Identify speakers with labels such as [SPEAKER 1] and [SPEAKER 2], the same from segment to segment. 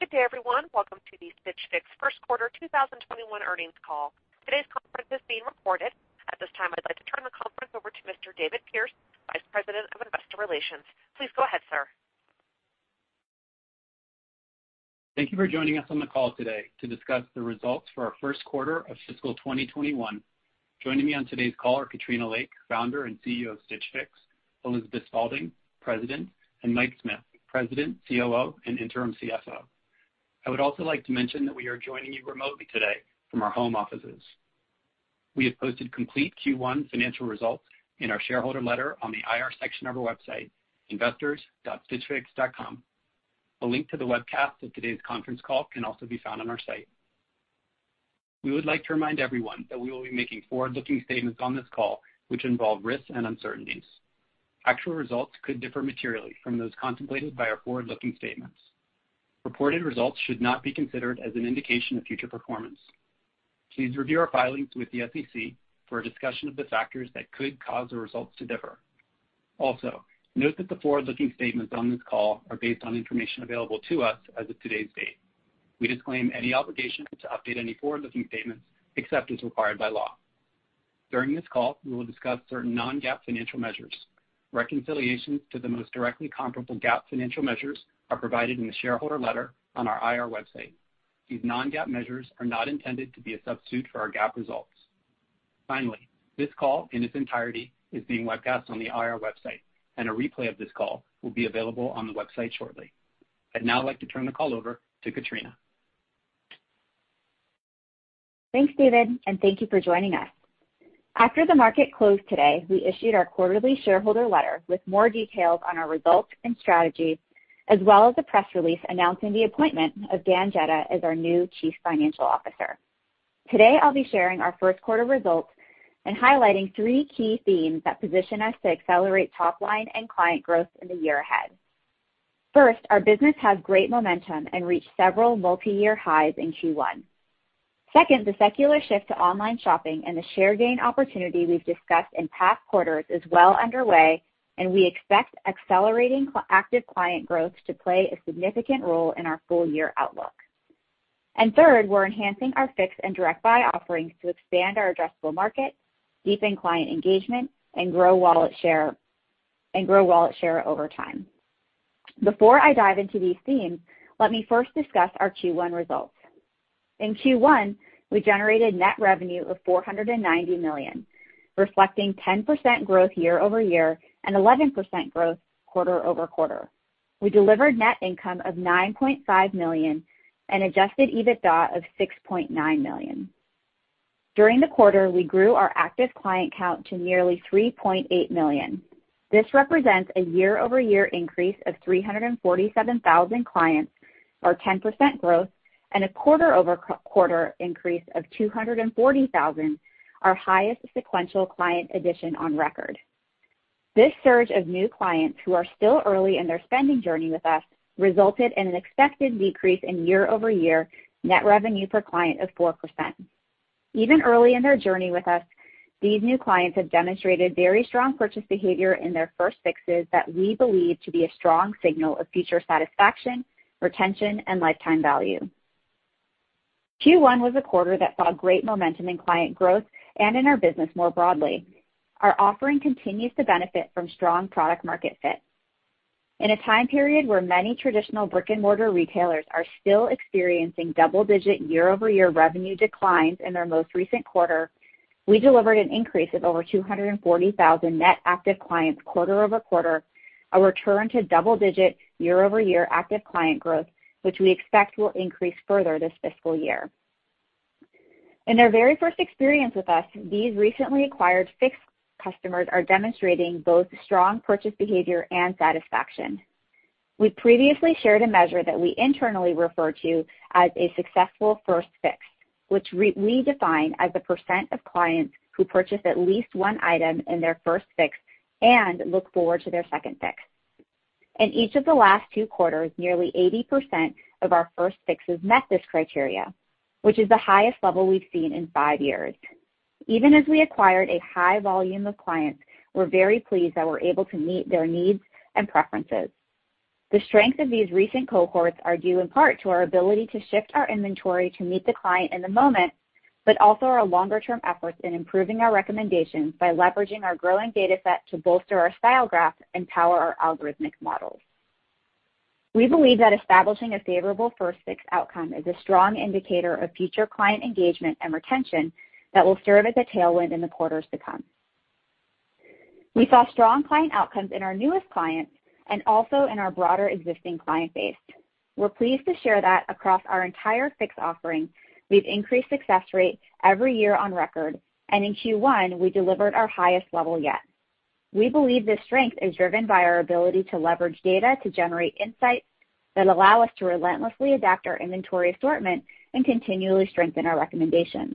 [SPEAKER 1] Good day, everyone. Welcome to the Stitch Fix first quarter 2021 earnings call. Today's conference is being recorded. At this time, I'd like to turn the conference over to Mr. David Pearce, Vice President of Investor Relations. Please go ahead, sir.
[SPEAKER 2] Thank you for joining us on the call today to discuss the results for our first quarter of fiscal 2021. Joining me on today's call are Katrina Lake, Founder and CEO of Stitch Fix; Elizabeth Spaulding, President; and Mike Smith, President, COO, and Interim CFO. I would also like to mention that we are joining you remotely today from our home offices. We have posted complete Q1 financial results in our shareholder letter on the IR section of our website, investors.stitchfix.com. A link to the webcast of today's conference call can also be found on our site. We would like to remind everyone that we will be making forward-looking statements on this call, which involve risks and uncertainties. Actual results could differ materially from those contemplated by our forward-looking statements. Reported results should not be considered as an indication of future performance. Please review our filings with the SEC for a discussion of the factors that could cause the results to differ. Also, note that the forward-looking statements on this call are based on information available to us as of today's date. We disclaim any obligation to update any forward-looking statements except as required by law. During this call, we will discuss certain non-GAAP financial measures. Reconciliations to the most directly comparable GAAP financial measures are provided in the shareholder letter on our IR website. These non-GAAP measures are not intended to be a substitute for our GAAP results. Finally, this call in its entirety is being webcast on the IR website, and a replay of this call will be available on the website shortly. I'd now like to turn the call over to Katrina.
[SPEAKER 3] Thanks, David, and thank you for joining us. After the market closed today, we issued our quarterly shareholder letter with more details on our results and strategies, as well as the press release announcing the appointment of Dan Jedda as our new Chief Financial Officer. Today, I'll be sharing our first quarter results and highlighting three key themes that position us to accelerate top-line and client growth in the year ahead. First, our business has great momentum and reached several multiyear highs in Q1. Second, the secular shift to online shopping and the share gain opportunity we've discussed in past quarters is well underway, and we expect accelerating active client growth to play a significant role in our full-year outlook. Third, we're enhancing our Fix and Direct Buy offerings to expand our addressable market, deepen client engagement, and grow wallet share over time. Before I dive into these themes, let me first discuss our Q1 results. In Q1, we generated net revenue of $490 million, reflecting 10% growth year-over-year and 11% growth quarter-over-quarter. We delivered net income of $9.5 million and adjusted EBITDA of $6.9 million. During the quarter, we grew our active client count to nearly 3.8 million. This represents a year-over-year increase of 347,000 clients, or 10% growth, and a quarter-over-quarter increase of 240,000, our highest sequential client addition on record. This surge of new clients, who are still early in their spending journey with us, resulted in an expected decrease in year-over-year net revenue per client of 4%. Even early in their journey with us, these new clients have demonstrated very strong purchase behavior in their first Fixes that we believe to be a strong signal of future satisfaction, retention, and lifetime value. Q1 was a quarter that saw great momentum in client growth and in our business more broadly. Our offering continues to benefit from strong product-market fit. In a time period where many traditional brick-and-mortar retailers are still experiencing double-digit year-over-year revenue declines in their most recent quarter, we delivered an increase of over 240,000 net active clients quarter-over-quarter, a return to double-digit year-over-year active client growth, which we expect will increase further this fiscal year. In their very first experience with us, these recently acquired Fix customers are demonstrating both strong purchase behavior and satisfaction. We previously shared a measure that we internally refer to as a successful first Fix, which we define as the percent of clients who purchase at least one item in their first Fix and look forward to their second Fix. In each of the last two quarters, nearly 80% of our first Fixes met this criteria, which is the highest level we've seen in five years. Even as we acquired a high volume of clients, we're very pleased that we're able to meet their needs and preferences. The strength of these recent cohorts are due in part to our ability to shift our inventory to meet the client in the moment, but also our longer-term efforts in improving our recommendations by leveraging our growing data set to bolster our Style Graph and power our algorithmic models. We believe that establishing a favorable first Fix outcome is a strong indicator of future client engagement and retention that will serve as a tailwind in the quarters to come. We saw strong client outcomes in our newest clients and also in our broader existing client base. We're pleased to share that across our entire Fix offering, we've increased success rate every year on record, and in Q1, we delivered our highest level yet. We believe this strength is driven by our ability to leverage data to generate insights that allow us to relentlessly adapt our inventory assortment and continually strengthen our recommendations.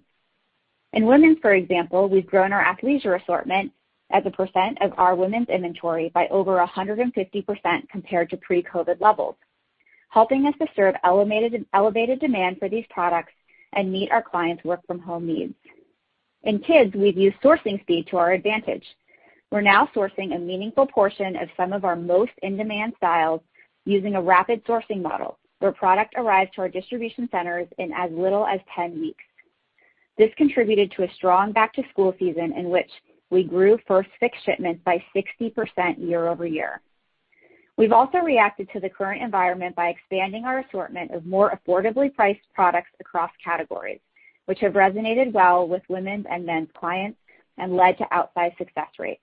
[SPEAKER 3] In women's, for example, we've grown our athleisure assortment as a percent of our women's inventory by over 150% compared to pre-COVID levels, helping us to serve elevated demand for these products and meet our clients' work from home needs. In kids, we've used sourcing speed to our advantage. We're now sourcing a meaningful portion of some of our most in-demand styles using a rapid sourcing model, where product arrives to our distribution centers in as little as 10 weeks. This contributed to a strong back-to-school season in which we grew first Fix shipments by 60% year-over-year. We've also reacted to the current environment by expanding our assortment of more affordably priced products across categories, which have resonated well with women's and men's clients and led to outsized success rates.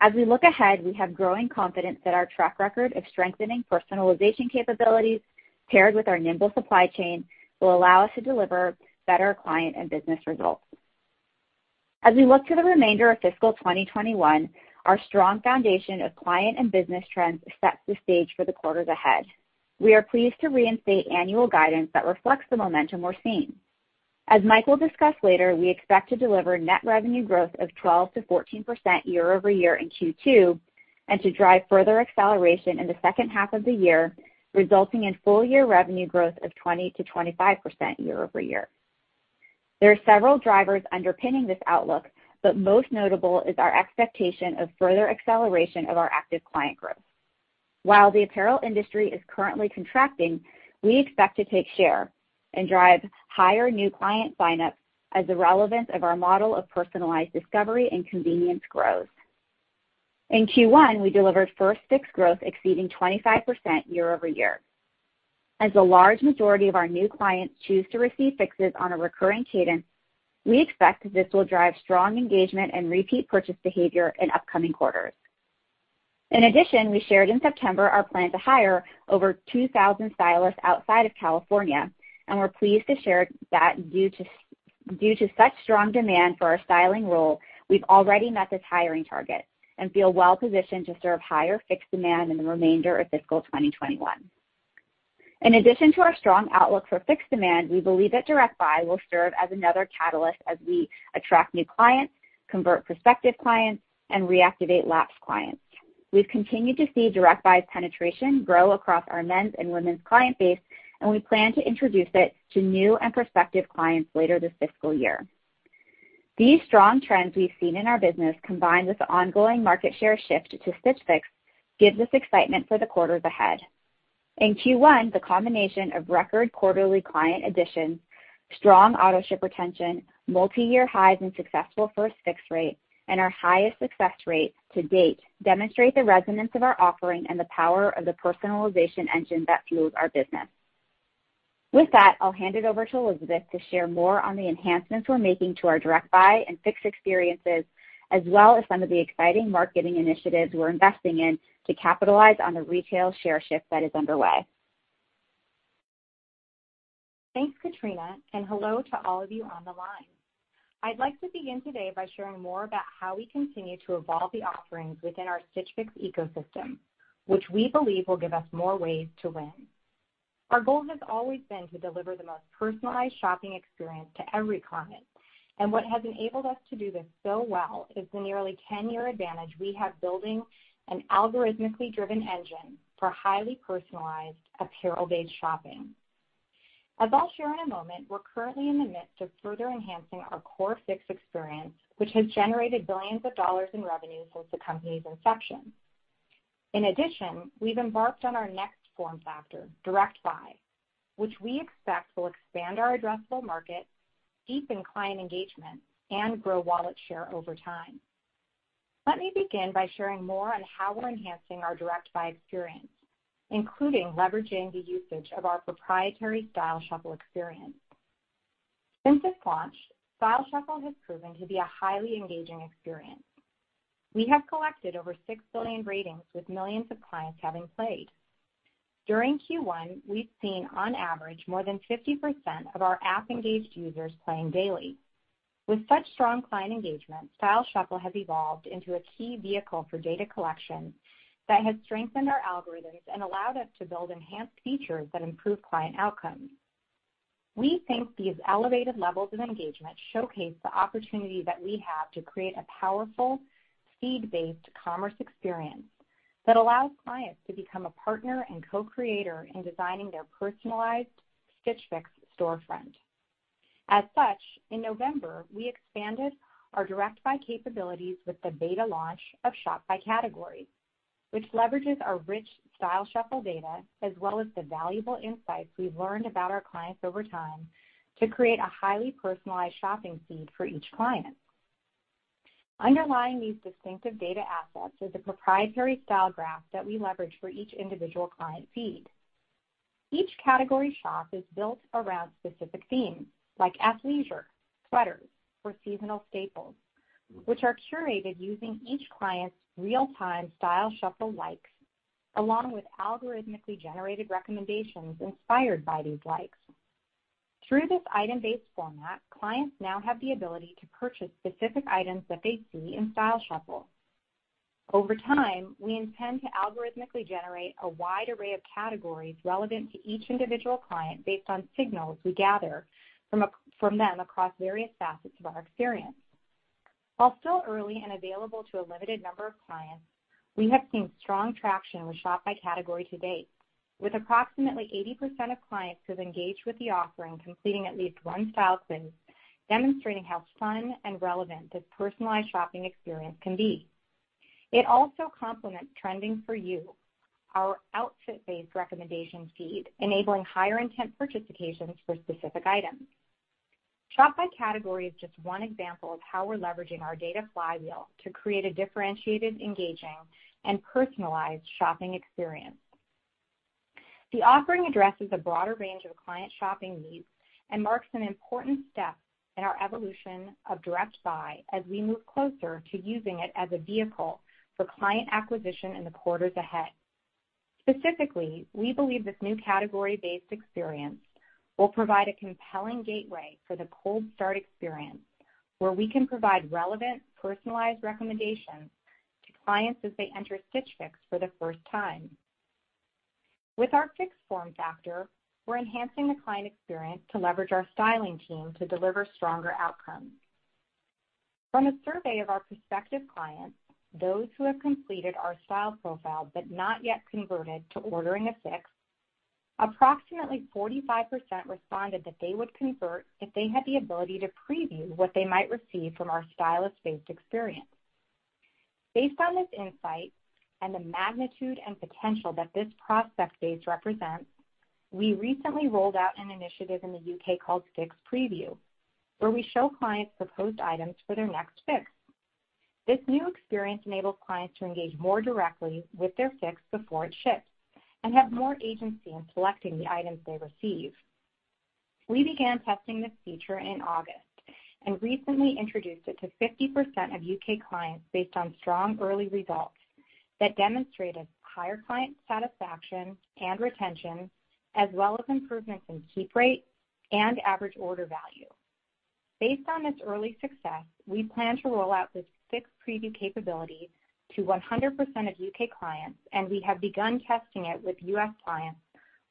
[SPEAKER 3] As we look ahead, we have growing confidence that our track record of strengthening personalization capabilities paired with our nimble supply chain will allow us to deliver better client and business results. As we look to the remainder of fiscal 2021, our strong foundation of client and business trends sets the stage for the quarters ahead. We are pleased to reinstate annual guidance that reflects the momentum we're seeing. As Mike discussed later, we expect to deliver net revenue growth of 12%-14% year-over-year in Q2, and to drive further acceleration in the second half of the year, resulting in full-year revenue growth of 20%-25% year-over-year. There are several drivers underpinning this outlook, but most notable is our expectation of further acceleration of our active client growth. While the apparel industry is currently contracting, we expect to take share and drive higher new client signups as the relevance of our model of personalized discovery and convenience grows. In Q1, we delivered first Fix growth exceeding 25% year-over-year. As a large majority of our new clients choose to receive Fixes on a recurring cadence, we expect this will drive strong engagement and repeat purchase behavior in upcoming quarters. In addition, we shared in September our plan to hire over 2,000 stylists outside of California, and we're pleased to share that due to such strong demand for our styling role, we've already met this hiring target and feel well-positioned to serve higher Fix demand in the remainder of fiscal 2021. In addition to our strong outlook for Fix demand, we believe that Direct Buy will serve as another catalyst as we attract new clients, convert prospective clients, and reactivate lapsed clients. We've continued to see Direct Buy's penetration grow across our men's and women's client base, and we plan to introduce it to new and prospective clients later this fiscal year. These strong trends we've seen in our business, combined with the ongoing market share shift to Stitch Fix, gives us excitement for the quarters ahead. In Q1, the combination of record quarterly client additions, strong autoship retention, multiyear highs in successful first Fix rate, and our highest success rate to date demonstrate the resonance of our offering and the power of the personalization engine that fuels our business. With that, I'll hand it over to Elizabeth to share more on the enhancements we're making to our Direct Buy and Fix experiences, as well as some of the exciting marketing initiatives we're investing in to capitalize on the retail share shift that is underway.
[SPEAKER 4] Thanks, Katrina, and hello to all of you on the line. I'd like to begin today by sharing more about how we continue to evolve the offerings within our Stitch Fix ecosystem, which we believe will give us more ways to win. Our goal has always been to deliver the most personalized shopping experience to every client, and what has enabled us to do this so well is the nearly 10-year advantage we have building an algorithmically driven engine for highly personalized apparel-based shopping. As I'll share in a moment, we're currently in the midst of further enhancing our core Fix experience, which has generated billions of dollars in revenue since the company's inception. In addition, we've embarked on our next form factor, Direct Buy, which we expect will expand our addressable market, deepen client engagement, and grow wallet share over time. Let me begin by sharing more on how we're enhancing our Direct Buy experience, including leveraging the usage of our proprietary Style Shuffle experience. Since its launch, Style Shuffle has proven to be a highly engaging experience. We have collected over 6 billion ratings, with millions of clients having played. During Q1, we've seen on average, more than 50% of our app-engaged users playing daily. With such strong client engagement, Style Shuffle has evolved into a key vehicle for data collection that has strengthened our algorithms and allowed us to build enhanced features that improve client outcomes. We think these elevated levels of engagement showcase the opportunity that we have to create a powerful, feed-based commerce experience that allows clients to become a partner and co-creator in designing their personalized Stitch Fix storefront. As such, in November, we expanded our Direct Buy capabilities with the beta launch of Shop by Category, which leverages our rich Style Shuffle data, as well as the valuable insights we've learned about our clients over time to create a highly personalized shopping feed for each client. Underlying these distinctive data assets is a proprietary Style Graph that we leverage for each individual client feed. Each category shop is built around specific themes like athleisure, sweaters, or seasonal staples, which are curated using each client's real-time Style Shuffle likes, along with algorithmically generated recommendations inspired by these likes. Through this item-based format, clients now have the ability to purchase specific items that they see in Style Shuffle. Over time, we intend to algorithmically generate a wide array of categories relevant to each individual client based on signals we gather from them across various facets of our experience. While still early and available to a limited number of clients, we have seen strong traction with Shop by Category to date, with approximately 80% of clients who have engaged with the offering completing at least one style quiz, demonstrating how fun and relevant this personalized shopping experience can be. It also complements Trending For You, our outfit-based recommendation feed, enabling higher intent participations for specific items. Shop by Category is just one example of how we're leveraging our data flywheel to create a differentiated, engaging, and personalized shopping experience. The offering addresses a broader range of client shopping needs and marks an important step in our evolution of Direct Buy as we move closer to using it as a vehicle for client acquisition in the quarters ahead. Specifically, we believe this new category-based experience will provide a compelling gateway for the cold start experience, where we can provide relevant, personalized recommendations to clients as they enter Stitch Fix for the first time. With our Fix form factor, we're enhancing the client experience to leverage our styling team to deliver stronger outcomes. From a survey of our prospective clients, those who have completed our style profile but not yet converted to ordering a Fix, approximately 45% responded that they would convert if they had the ability to preview what they might receive from our stylist-based experience. Based on this insight and the magnitude and potential that this prospect base represents, we recently rolled out an initiative in the U.K. called Fix Preview, where we show clients proposed items for their next Fix. This new experience enables clients to engage more directly with their Fix before it ships and have more agency in selecting the items they receive. We began testing this feature in August and recently introduced it to 50% of U.K. clients based on strong early results that demonstrated higher client satisfaction and retention, as well as improvements in keep rate and average order value. Based on this early success, we plan to roll out this Fix Preview capability to 100% of U.K. clients, and we have begun testing it with U.S. clients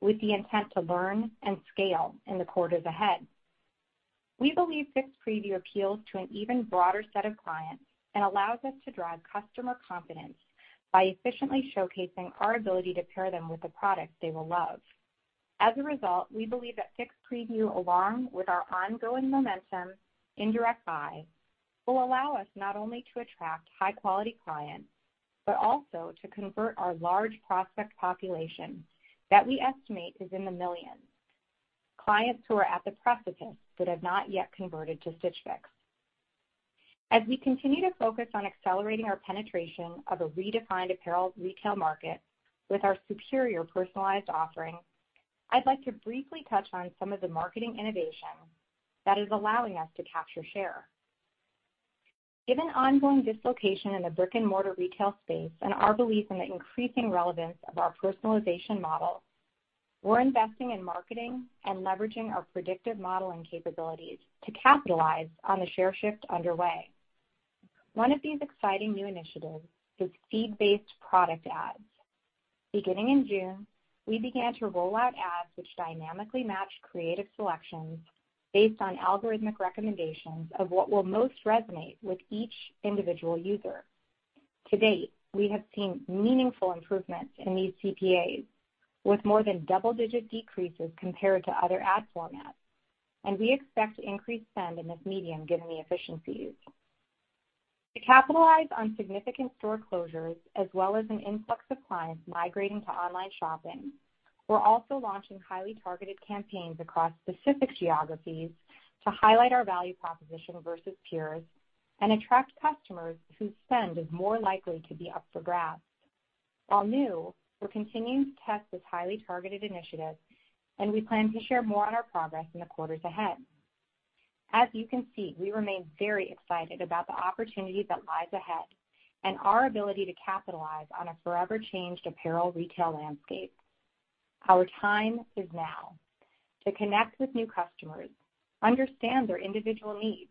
[SPEAKER 4] with the intent to learn and scale in the quarters ahead. We believe Fix Preview appeals to an even broader set of clients and allows us to drive customer confidence by efficiently showcasing our ability to pair them with the products they will love. As a result, we believe that Fix Preview, along with our ongoing momentum in Direct Buy, will allow us not only to attract high-quality clients, but also to convert our large prospect population that we estimate is in the millions. Clients who are at the precipice but have not yet converted to Stitch Fix. As we continue to focus on accelerating our penetration of a redefined apparel retail market with our superior personalized offering, I'd like to briefly touch on some of the marketing innovation that is allowing us to capture share. Given ongoing dislocation in the brick-and-mortar retail space and our belief in the increasing relevance of our personalization model, we're investing in marketing and leveraging our predictive modeling capabilities to capitalize on the share shift underway. One of these exciting new initiatives is feed-based product ads. Beginning in June, we began to roll out ads which dynamically match creative selections based on algorithmic recommendations of what will most resonate with each individual user. To date, we have seen meaningful improvements in these CPAs, with more than double-digit decreases compared to other ad formats, and we expect increased spend in this medium given the efficiencies. To capitalize on significant store closures as well as an influx of clients migrating to online shopping, we're also launching highly targeted campaigns across specific geographies to highlight our value proposition versus peers and attract customers whose spend is more likely to be up for grabs. While new, we're continuing to test this highly targeted initiative, and we plan to share more on our progress in the quarters ahead. As you can see, we remain very excited about the opportunity that lies ahead and our ability to capitalize on a forever-changed apparel retail landscape. Our time is now to connect with new customers, understand their individual needs,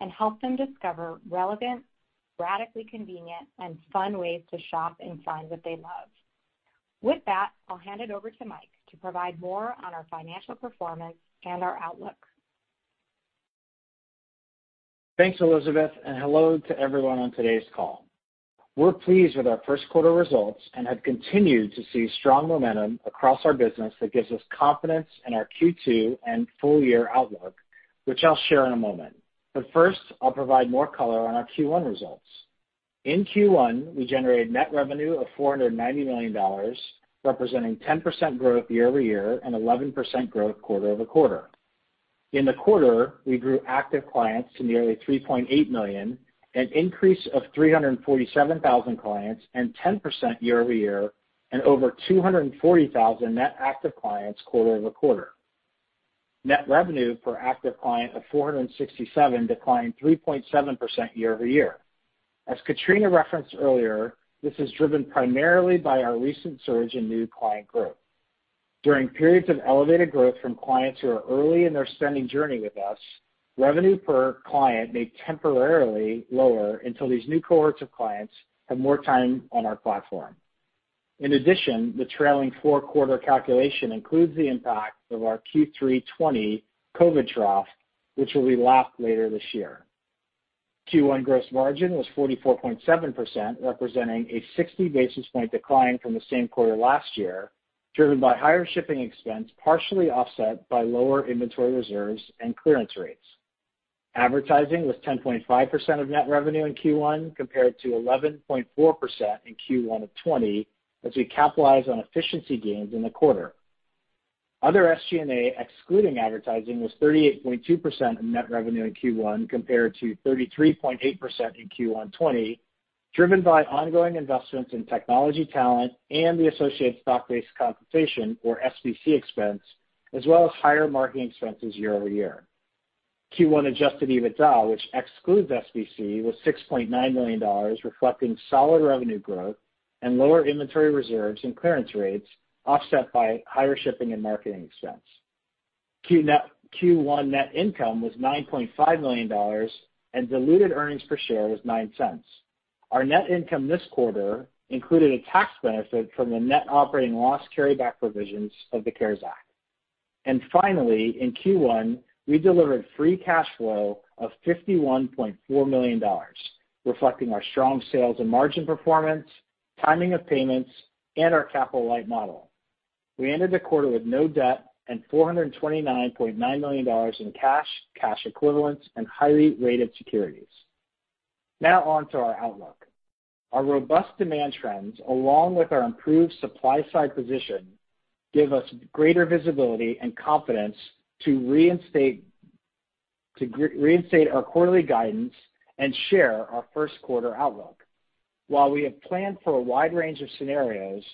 [SPEAKER 4] and help them discover relevant, radically convenient, and fun ways to shop and find what they love. With that, I'll hand it over to Mike to provide more on our financial performance and our outlook.
[SPEAKER 5] Thanks, Elizabeth. Hello to everyone on today's call. We're pleased with our first quarter results and have continued to see strong momentum across our business that gives us confidence in our Q2 and full-year outlook, which I'll share in a moment. First, I'll provide more color on our Q1 results. In Q1, we generated net revenue of $490 million, representing 10% growth year-over-year and 11% growth quarter-over-quarter. In the quarter, we grew active clients to nearly 3.8 million, an increase of 347,000 clients and 10% year-over-year and over 240,000 net active clients quarter-over-quarter. Net revenue per active client of $467 declined 3.7% year-over-year. As Katrina referenced earlier, this is driven primarily by our recent surge in new client growth. During periods of elevated growth from clients who are early in their spending journey with us, revenue per client may temporarily lower until these new cohorts of clients have more time on our platform. In addition, the trailing four-quarter calculation includes the impact of our Q3 2020 COVID trough, which will be lapped later this year. Q1 gross margin was 44.7%, representing a 60 basis point decline from the same quarter last year, driven by higher shipping expense, partially offset by lower inventory reserves and clearance rates. Advertising was 10.5% of net revenue in Q1 compared to 11.4% in Q1 of 2020, as we capitalize on efficiency gains in the quarter. Other SG&A, excluding advertising, was 38.2% of net revenue in Q1 compared to 33.8% in Q1 2020, driven by ongoing investments in technology talent and the associated stock-based compensation, or SBC expense, as well as higher marketing expenses year-over-year. Q1 adjusted EBITDA, which excludes SBC, was $6.9 million, reflecting solid revenue growth and lower inventory reserves and clearance rates, offset by higher shipping and marketing expense. Q1 net income was $9.5 million, and diluted earnings per share was $0.09. Our net income this quarter included a tax benefit from the net operating loss carryback provisions of the CARES Act. Finally, in Q1, we delivered free cash flow of $51.4 million, reflecting our strong sales and margin performance, timing of payments, and our capital-light model. We ended the quarter with no debt and $429.9 million in cash equivalents, and highly rated securities. Now on to our outlook. Our robust demand trends, along with our improved supply-side position, give us greater visibility and confidence to reinstate our quarterly guidance and share our first quarter outlook. While we have planned for a wide range of scenarios,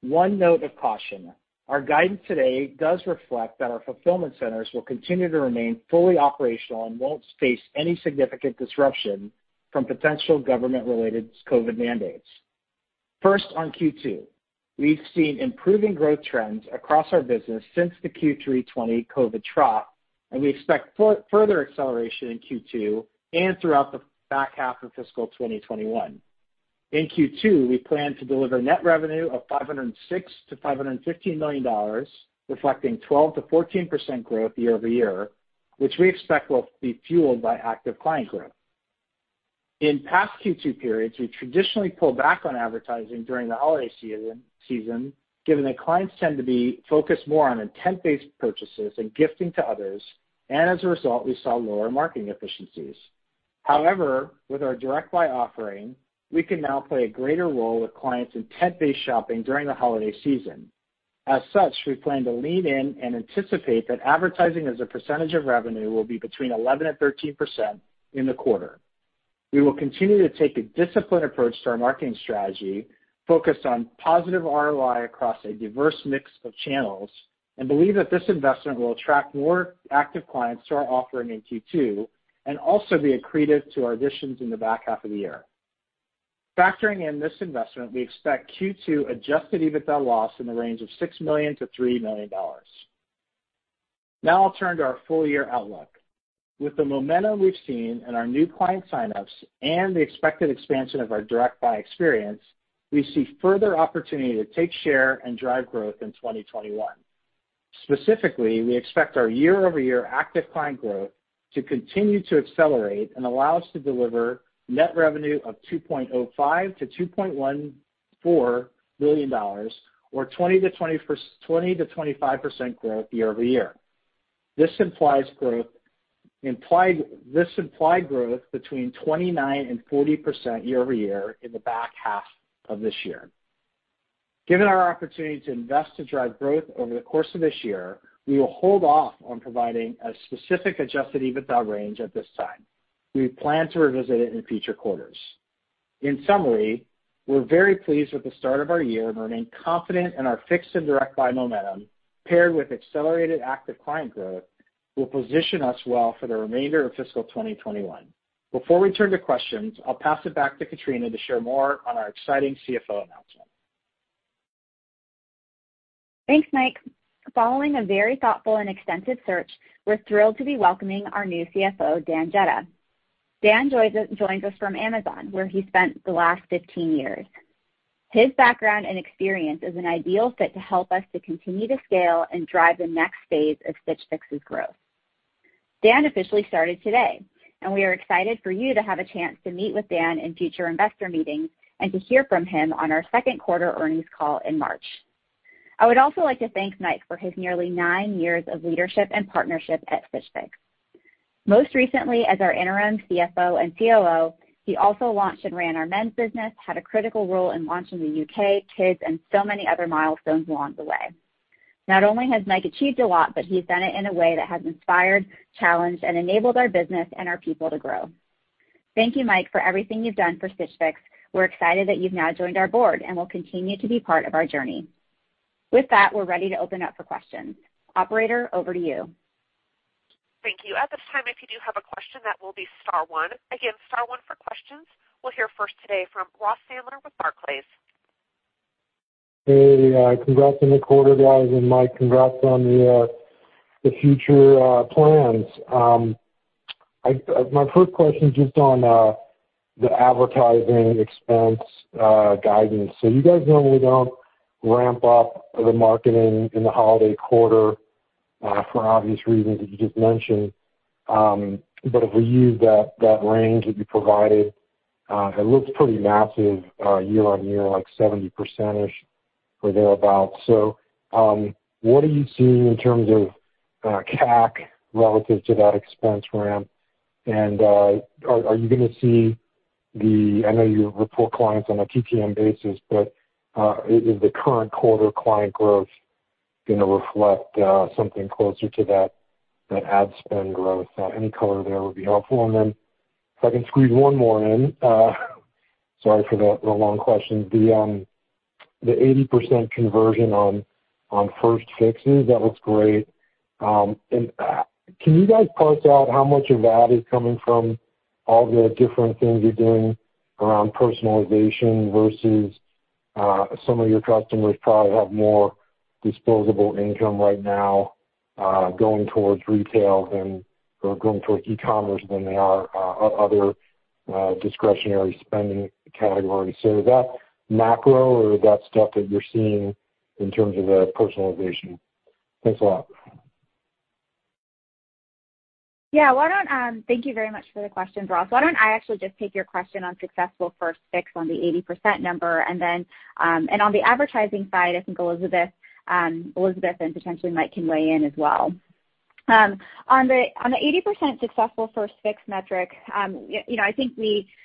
[SPEAKER 5] one note of caution: our guidance today does reflect that our fulfillment centers will continue to remain fully operational and won't face any significant disruption from potential government-related COVID mandates. First, on Q2. We've seen improving growth trends across our business since the Q3 2020 COVID trough, and we expect further acceleration in Q2 and throughout the back half of fiscal 2021. In Q2, we plan to deliver net revenue of $506 million-$515 million, reflecting 12%-14% growth year-over-year, which we expect will be fueled by active client growth. In past Q2 periods, we traditionally pull back on advertising during the holiday season, given that clients tend to be focused more on intent-based purchases and gifting to others, and as a result, we saw lower marketing efficiencies. However, with our Direct Buy offering, we can now play a greater role with clients' intent-based shopping during the holiday season. As such, we plan to lean in and anticipate that advertising as a percentage of revenue will be between 11% and 13% in the quarter. We will continue to take a disciplined approach to our marketing strategy, focused on positive ROI across a diverse mix of channels, and believe that this investment will attract more active clients to our offering in Q2, and also be accretive to our additions in the back half of the year. Factoring in this investment, we expect Q2 adjusted EBITDA loss in the range of $6 million-$3 million. I'll turn to our full-year outlook. With the momentum we've seen in our new client sign-ups and the expected expansion of our Direct Buy experience, we see further opportunity to take share and drive growth in 2021. Specifically, we expect our year-over-year active client growth to continue to accelerate and allow us to deliver net revenue of $2.05 billion-$2.14 billion, or 20%-25% growth year-over-year. This implied growth between 29% and 40% year-over-year in the back half of this year. Given our opportunity to invest to drive growth over the course of this year, we will hold off on providing a specific adjusted EBITDA range at this time. We plan to revisit it in future quarters. In summary, we're very pleased with the start of our year and remain confident in our Fix and Direct Buy momentum, paired with accelerated active client growth, will position us well for the remainder of fiscal 2021. Before we turn to questions, I'll pass it back to Katrina to share more on our exciting CFO announcement.
[SPEAKER 3] Thanks, Mike. Following a very thoughtful and extensive search, we're thrilled to be welcoming our new CFO, Dan Jedda. Dan joins us from Amazon, where he spent the last 15 years. His background and experience is an ideal fit to help us to continue to scale and drive the next phase of Stitch Fix's growth. Dan officially started today, and we are excited for you to have a chance to meet with Dan in future investor meetings and to hear from him on our second quarter earnings call in March. I would also like to thank Mike for his nearly nine years of leadership and partnership at Stitch Fix. Most recently, as our interim CFO and COO, he also launched and ran our men's business, had a critical role in launching the U.K., Kids, and so many other milestones along the way. Not only has Mike achieved a lot, but he's done it in a way that has inspired, challenged, and enabled our business and our people to grow. Thank you, Mike, for everything you've done for Stitch Fix. We're excited that you've now joined our board and will continue to be part of our journey. With that, we're ready to open up for questions. Operator, over to you.
[SPEAKER 1] Thank you. At this time, if you do have a question, that will be star one. Again, star one for questions. We'll hear first today from Ross Sandler with Barclays.
[SPEAKER 6] Hey, congrats on the quarter, guys, and Mike, congrats on the future plans. My first question just on the advertising expense guidance. You guys normally don't ramp up the marketing in the holiday quarter for obvious reasons that you just mentioned. If we use that range that you provided, it looks pretty massive year on year, like 70%-ish or thereabout. What are you seeing in terms of CAC relative to that expense ramp? Are you going to see the I know you report clients on a TTM basis, but is the current quarter client growth going to reflect something closer to that ad spend growth? Any color there would be helpful. Then if I can squeeze one more in, sorry for the long question. The 80% conversion on first Fixes, that looks great. Can you guys parse out how much of that is coming from all the different things you're doing around personalization versus some of your customers probably have more disposable income right now going towards retail than/or going towards e-commerce than they are other discretionary spending categories. Is that macro or is that stuff that you're seeing in terms of the personalization? Thanks a lot.
[SPEAKER 3] Yeah. Thank you very much for the question, Ross. Why don't I actually just take your question on successful first Fix on the 80% number, and on the advertising side, I think Elizabeth and potentially Mike can weigh in as well. On the 80% successful first Fix metric,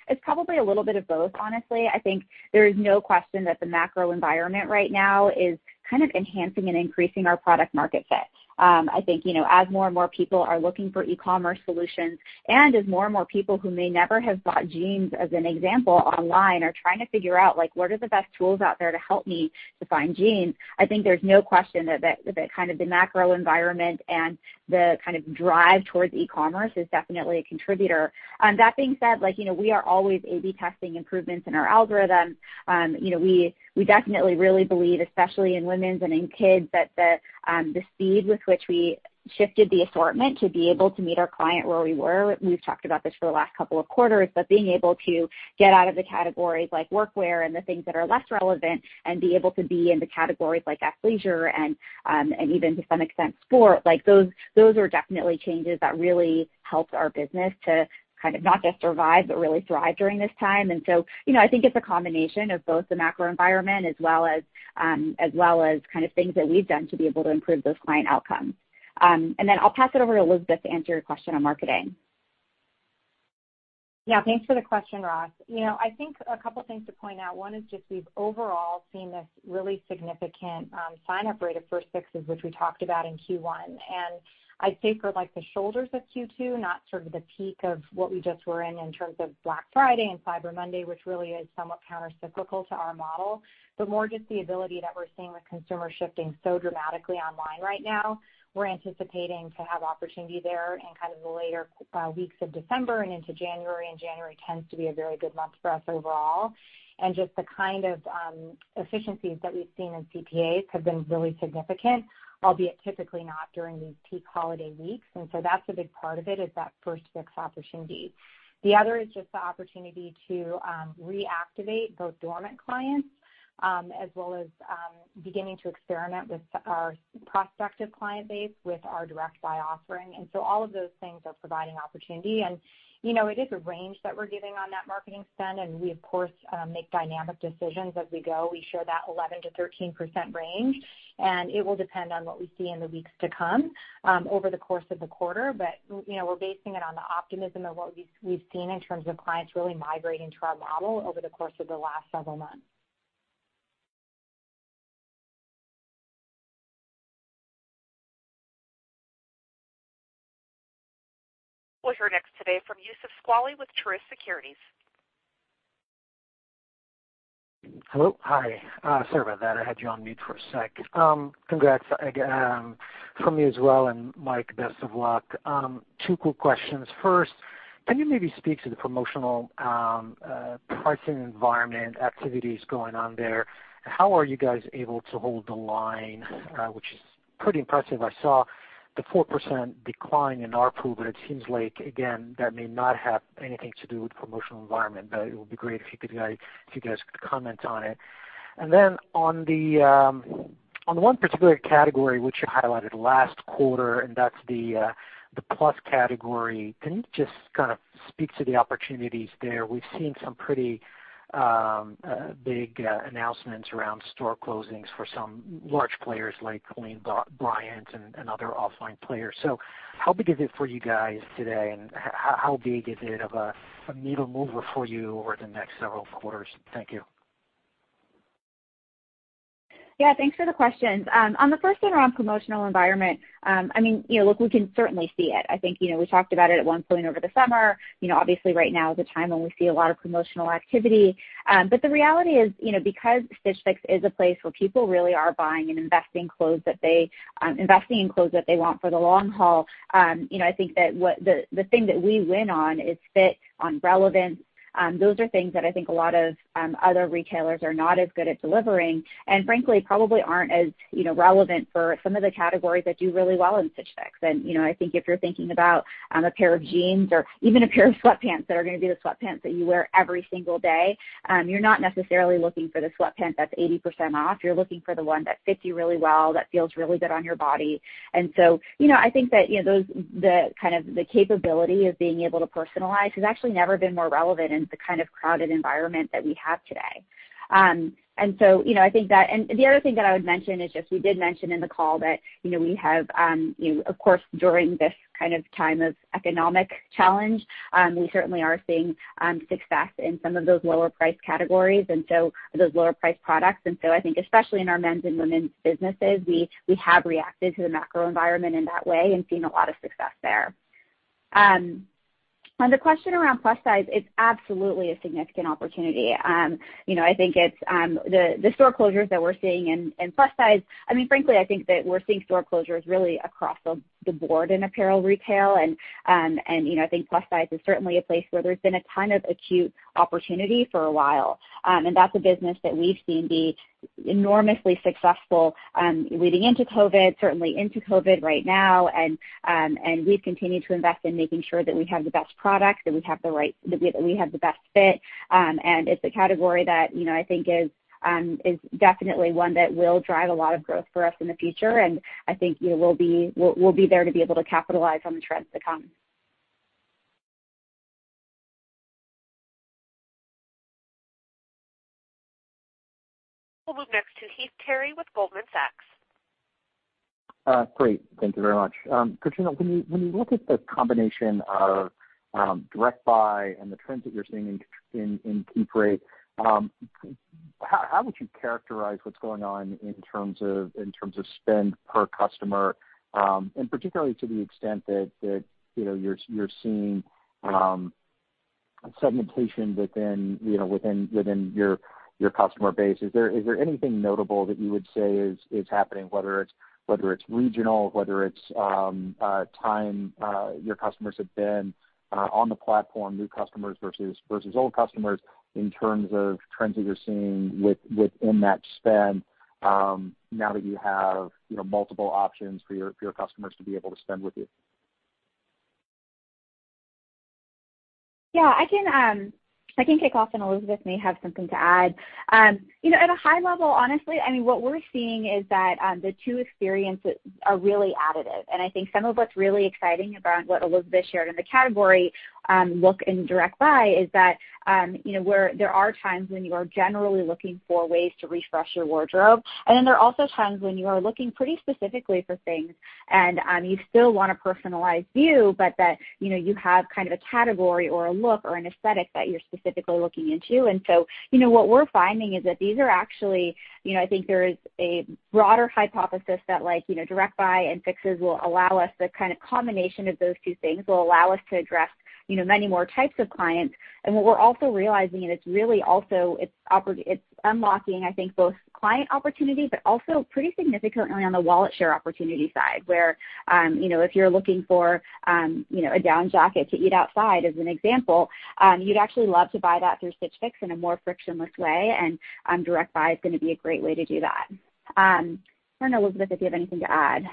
[SPEAKER 3] it's probably a little bit of both, honestly. I think there is no question that the macro environment right now is kind of enhancing and increasing our product market fit. I think, as more and more people are looking for e-commerce solutions, and as more and more people who may never have bought jeans, as an example, online, are trying to figure out what are the best tools out there to help me to find jeans, I think there's no question that the macro environment and the kind of drive towards e-commerce is definitely a contributor. That being said, we are always A/B testing improvements in our algorithm. We definitely really believe, especially in women's and in kids, that the speed with which we shifted the assortment to be able to meet our client where we were, we've talked about this for the last couple of quarters, but being able to get out of the categories like work wear and the things that are less relevant and be able to be in the categories like athleisure and even to some extent, sport, those are definitely changes that really helped our business to kind of not just survive, but really thrive during this time. I think it's a combination of both the macro environment as well as kind of things that we've done to be able to improve those client outcomes. I'll pass it over to Elizabeth to answer your question on marketing.
[SPEAKER 4] Yeah. Thanks for the question, Ross. I think a couple things to point out. One is just we've overall seen this really significant sign-up rate of first fixes, which we talked about in Q1. I'd say for the shoulders of Q2, not sort of the peak of what we just were in terms of Black Friday and Cyber Monday, which really is somewhat countercyclical to our model, but more just the ability that we're seeing with consumer shifting so dramatically online right now. We're anticipating to have opportunity there in kind of the later weeks of December and into January, and January tends to be a very good month for us overall. Just the kind of efficiencies that we've seen in CPAs have been really significant, albeit typically not during these peak holiday weeks. So that's a big part of it, is that first fix opportunity. The other is just the opportunity to reactivate both dormant clients as well as beginning to experiment with our prospective client base, with our Direct Buy offering. All of those things are providing opportunity, and it is a range that we're giving on that marketing spend, and we of course, make dynamic decisions as we go. We share that 11%-13% range, and it will depend on what we see in the weeks to come over the course of the quarter. We're basing it on the optimism of what we've seen in terms of clients really migrating to our model over the course of the last several months.
[SPEAKER 1] We'll hear next today from Youssef Squali with Truist Securities.
[SPEAKER 7] Hello. Hi. Sorry about that. I had you on mute for a sec. Congrats from me as well, and Mike, best of luck. Two quick questions. First, can you maybe speak to the promotional pricing environment activities going on there? How are you guys able to hold the line, which is pretty impressive. I saw the 4% decline in ARPU, but it seems like, again, that may not have anything to do with the promotional environment, but it would be great if you guys could comment on it. Then on the one particular category which you highlighted last quarter, and that's the plus category, can you just kind of speak to the opportunities there? We've seen some pretty big announcements around store closings for some large players like Lane Bryant and other offline players. How big is it for you guys today, and how big is it of a needle mover for you over the next several quarters? Thank you.
[SPEAKER 3] Yeah, thanks for the questions. On the first thing around promotional environment, look, we can certainly see it. I think we talked about it at one point over the summer. Obviously, right now is a time when we see a lot of promotional activity. The reality is, because Stitch Fix is a place where people really are buying and investing in clothes that they want for the long haul, I think that the thing that we win on is fit, on relevance. Those are things that I think a lot of other retailers are not as good at delivering, and frankly, probably aren't as relevant for some of the categories that do really well in Stitch Fix. I think if you're thinking about a pair of jeans or even a pair of sweatpants that are going to be the sweatpants that you wear every single day, you're not necessarily looking for the sweatpant that's 80% off. You're looking for the one that fits you really well, that feels really good on your body. I think that the capability of being able to personalize has actually never been more relevant in the kind of crowded environment that we have today. The other thing that I would mention is just, we did mention in the call that of course, during this kind of time of economic challenge, we certainly are seeing success in some of those lower price categories and those lower price products. I think, especially in our men's and women's businesses, we have reacted to the macro environment in that way and seen a lot of success there. On the question around plus size, it's absolutely a significant opportunity. The store closures that we're seeing in plus size, frankly, I think that we're seeing store closures really across the board in apparel retail, and I think plus size is certainly a place where there's been a ton of acute opportunity for a while. That's a business that we've seen be enormously successful leading into COVID, certainly into COVID right now, and we've continued to invest in making sure that we have the best product, that we have the best fit. It's a category that I think is definitely one that will drive a lot of growth for us in the future, and I think we'll be there to be able to capitalize on the trends to come.
[SPEAKER 1] We'll move next to Heath Terry with Goldman Sachs.
[SPEAKER 8] Great. Thank you very much. Katrina, when you look at the combination of Direct Buy and the trends that you're seeing in Keep Rate, how would you characterize what's going on in terms of spend per customer, and particularly to the extent that you're seeing segmentation within your customer base? Is there anything notable that you would say is happening, whether it's regional, whether it's time your customers have been on the platform, new customers versus old customers, in terms of trends that you're seeing within that spend now that you have multiple options for your customers to be able to spend with you?
[SPEAKER 3] Yeah, I can kick off and Elizabeth may have something to add. At a high level, honestly, what we're seeing is that the two experiences are really additive, and I think some of what's really exciting about what Elizabeth Spaulding shared in the category Look and Direct Buy is that there are times when you are generally looking for ways to refresh your wardrobe. Then there are also times when you are looking pretty specifically for things, and you still want a personalized view, but that you have kind of a category or a look or an aesthetic that you're specifically looking into. What we're finding is that these are actually, I think there is a broader hypothesis that Direct Buy and Fixes will allow us, the kind of combination of those two things, will allow us to address many more types of clients. What we're also realizing, and it's really also it's unlocking, I think, both client opportunity, but also pretty significantly on the wallet share opportunity side, where if you're looking for a down jacket to eat outside, as an example, you'd actually love to buy that through Stitch Fix in a more frictionless way, and Direct Buy is going to be a great way to do that. I don't know, Elizabeth, if you have anything to add.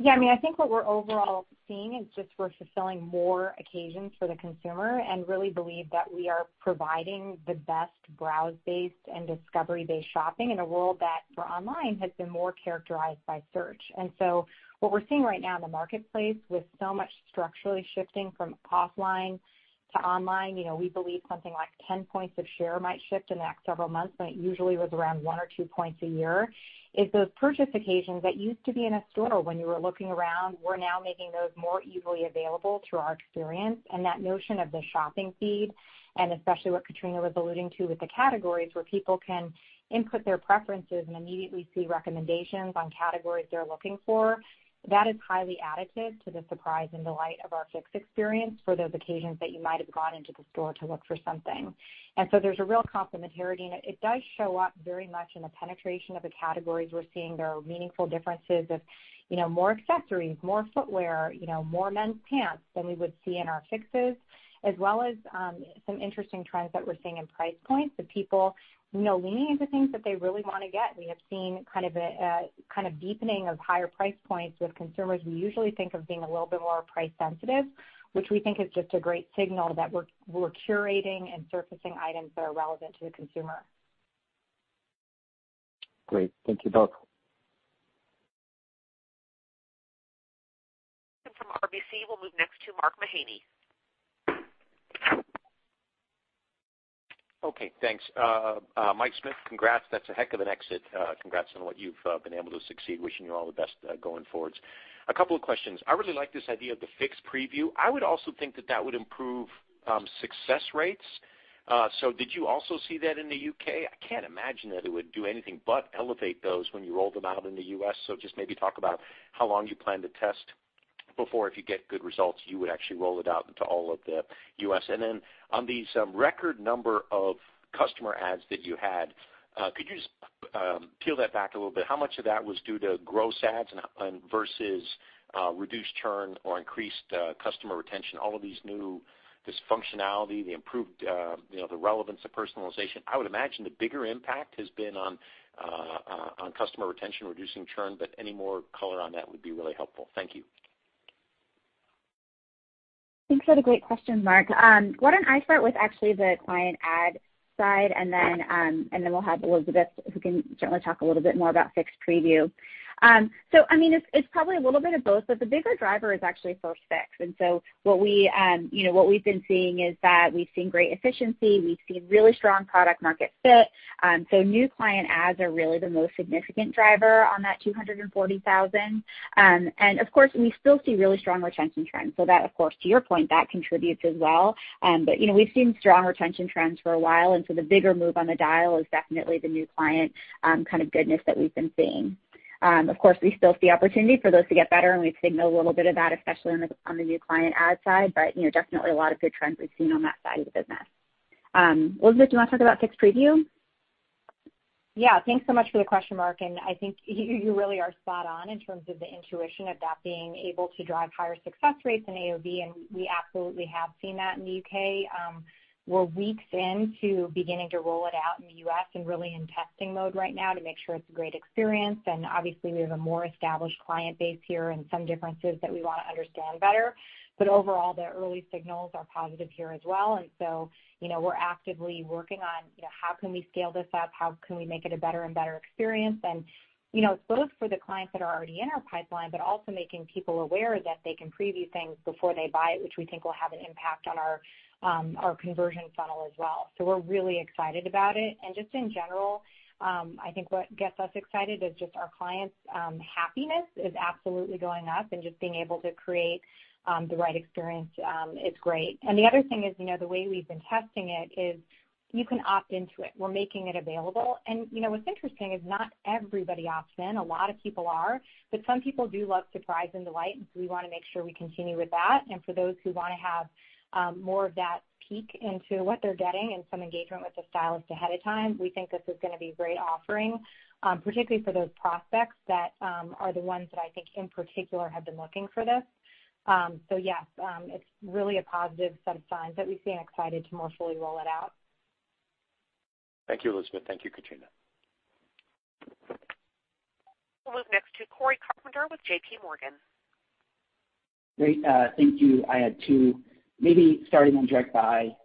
[SPEAKER 4] Yeah, I think what we're overall seeing is just we're fulfilling more occasions for the consumer and really believe that we are providing the best browse-based and discovery-based shopping in a world that, for online, has been more characterized by search. What we're seeing right now in the marketplace, with so much structurally shifting from offline to online, we believe something like 10 points of share might shift in the next several months, when it usually was around one or two points a year. If those purchase occasions that used to be in a store when you were looking around, we're now making those more easily available through our experience, and that notion of the shopping feed, and especially what Katrina was alluding to with the categories, where people can input their preferences and immediately see recommendations on categories they're looking for. That is highly additive to the surprise and delight of our Fix experience for those occasions that you might have gone into the store to look for something. There's a real complementarity, and it does show up very much in the penetration of the categories. We're seeing there are meaningful differences of more accessories, more footwear, more men's pants than we would see in our Fixes, as well as some interesting trends that we're seeing in price points of people leaning into things that they really want to get. We have seen a kind of deepening of higher price points with consumers who usually think of being a little bit more price sensitive, which we think is just a great signal that we're curating and surfacing items that are relevant to the consumer.
[SPEAKER 8] Great. Thank you both.
[SPEAKER 1] From RBC, we'll move next to Mark Mahaney.
[SPEAKER 9] Okay, thanks. Mike Smith, congrats. That's a heck of an exit. Congrats on what you've been able to succeed. Wishing you all the best going forwards. A couple of questions. I really like this idea of the Fix Preview. I would also think that that would improve success rates. Did you also see that in the U.K.? I can't imagine that it would do anything but elevate those when you rolled them out in the U.S. Just maybe talk about how long you plan to test before, if you get good results, you would actually roll it out into all of the U.S. On the record number of customer adds that you had, could you just peel that back a little bit? How much of that was due to gross adds versus reduced churn or increased customer retention, all of these new functionality, the improved relevance of personalization? I would imagine the bigger impact has been on customer retention, reducing churn, any more color on that would be really helpful. Thank you.
[SPEAKER 3] Thanks for the great question, Mark. Why don't I start with actually the client add side and then we'll have Elizabeth, who can certainly talk a little bit more about Fix Preview. It's probably a little bit of both, but the bigger driver is actually for Fix. What we've been seeing is that we've seen great efficiency. We've seen really strong product market fit. New client adds are really the most significant driver on that 240,000. Of course, we still see really strong retention trends. That, of course, to your point, that contributes as well. We've seen strong retention trends for a while, and so the bigger move on the dial is definitely the new client kind of goodness that we've been seeing. Of course, we still see opportunity for those to get better, and we've signaled a little bit of that, especially on the new client add side, but definitely a lot of good trends we've seen on that side of the business. Elizabeth, do you want to talk about Fix Preview?
[SPEAKER 4] Yeah. Thanks so much for the question, Mark. I think you really are spot on in terms of the intuition of that being able to drive higher success rates in AOV, and we absolutely have seen that in the U.K. We're weeks into beginning to roll it out in the U.S. and really in testing mode right now to make sure it's a great experience, and obviously, we have a more established client base here and some differences that we want to understand better. Overall, the early signals are positive here as well. We're actively working on how can we scale this up, how can we make it a better and better experience. It's both for the clients that are already in our pipeline, but also making people aware that they can preview things before they buy it, which we think will have an impact on our conversion funnel as well. We're really excited about it. Just in general, I think what gets us excited is just our clients' happiness is absolutely going up, and just being able to create the right experience is great. The other thing is, the way we've been testing it is you can opt into it. We're making it available. What's interesting is not everybody opts in. A lot of people are, but some people do love surprise and delight, so we want to make sure we continue with that. For those who want to have more of that peek into what they're getting and some engagement with the stylist ahead of time, we think this is going to be a great offering, particularly for those prospects that are the ones that I think in particular have been looking for this. Yes, it's really a positive set of signs that we've seen, excited to more fully roll it out.
[SPEAKER 9] Thank you, Elizabeth. Thank you, Katrina.
[SPEAKER 1] We'll move next to Cory Carpenter with JPMorgan.
[SPEAKER 10] Great. Thank you. I had two. Maybe starting on Direct Buy,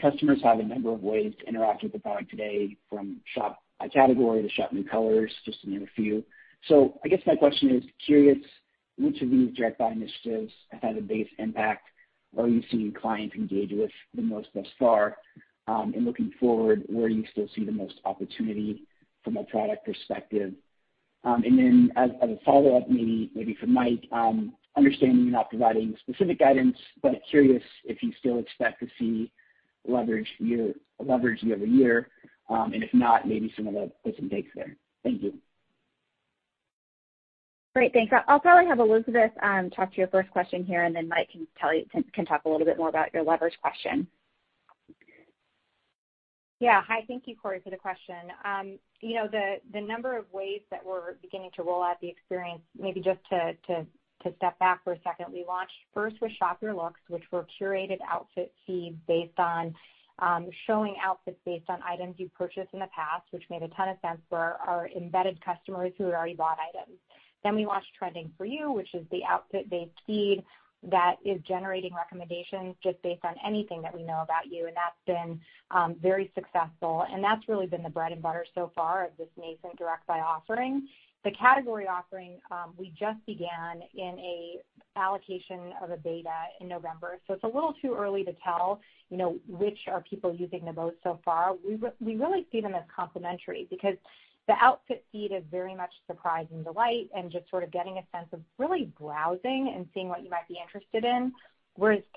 [SPEAKER 10] customers have a number of ways to interact with the product today, from Shop by Category to Shop New Colors, just to name a few. I guess my question is, curious which of these Direct Buy initiatives have had the biggest impact, or are you seeing clients engage with the most thus far? Looking forward, where do you still see the most opportunity from a product perspective? Then as a follow-up, maybe for Mike, understanding you're not providing specific guidance, but curious if you still expect to see leverage year-over-year, and if not, maybe some of the gives and takes there. Thank you.
[SPEAKER 3] Great. Thanks. I'll probably have Elizabeth talk to your first question here, and then Mike can talk a little bit more about your leverage question.
[SPEAKER 4] Yeah. Hi. Thank you, Cory, for the question. The number of ways that we're beginning to roll out the experience, maybe just to step back for a second, we launched first with Shop Your Looks, which were curated outfit feeds based on showing outfits based on items you purchased in the past, which made a ton of sense for our embedded customers who had already bought items. We launched Trending For You, which is the outfit-based feed that is generating recommendations just based on anything that we know about you, and that's been very successful, and that's really been the bread and butter so far of this nascent Direct Buy offering. The category offering, we just began in an allocation of a beta in November, so it's a little too early to tell which are people using the most so far. We really see them as complementary because the outfit feed is very much surprise and delight and just sort of getting a sense of really browsing and seeing what you might be interested in.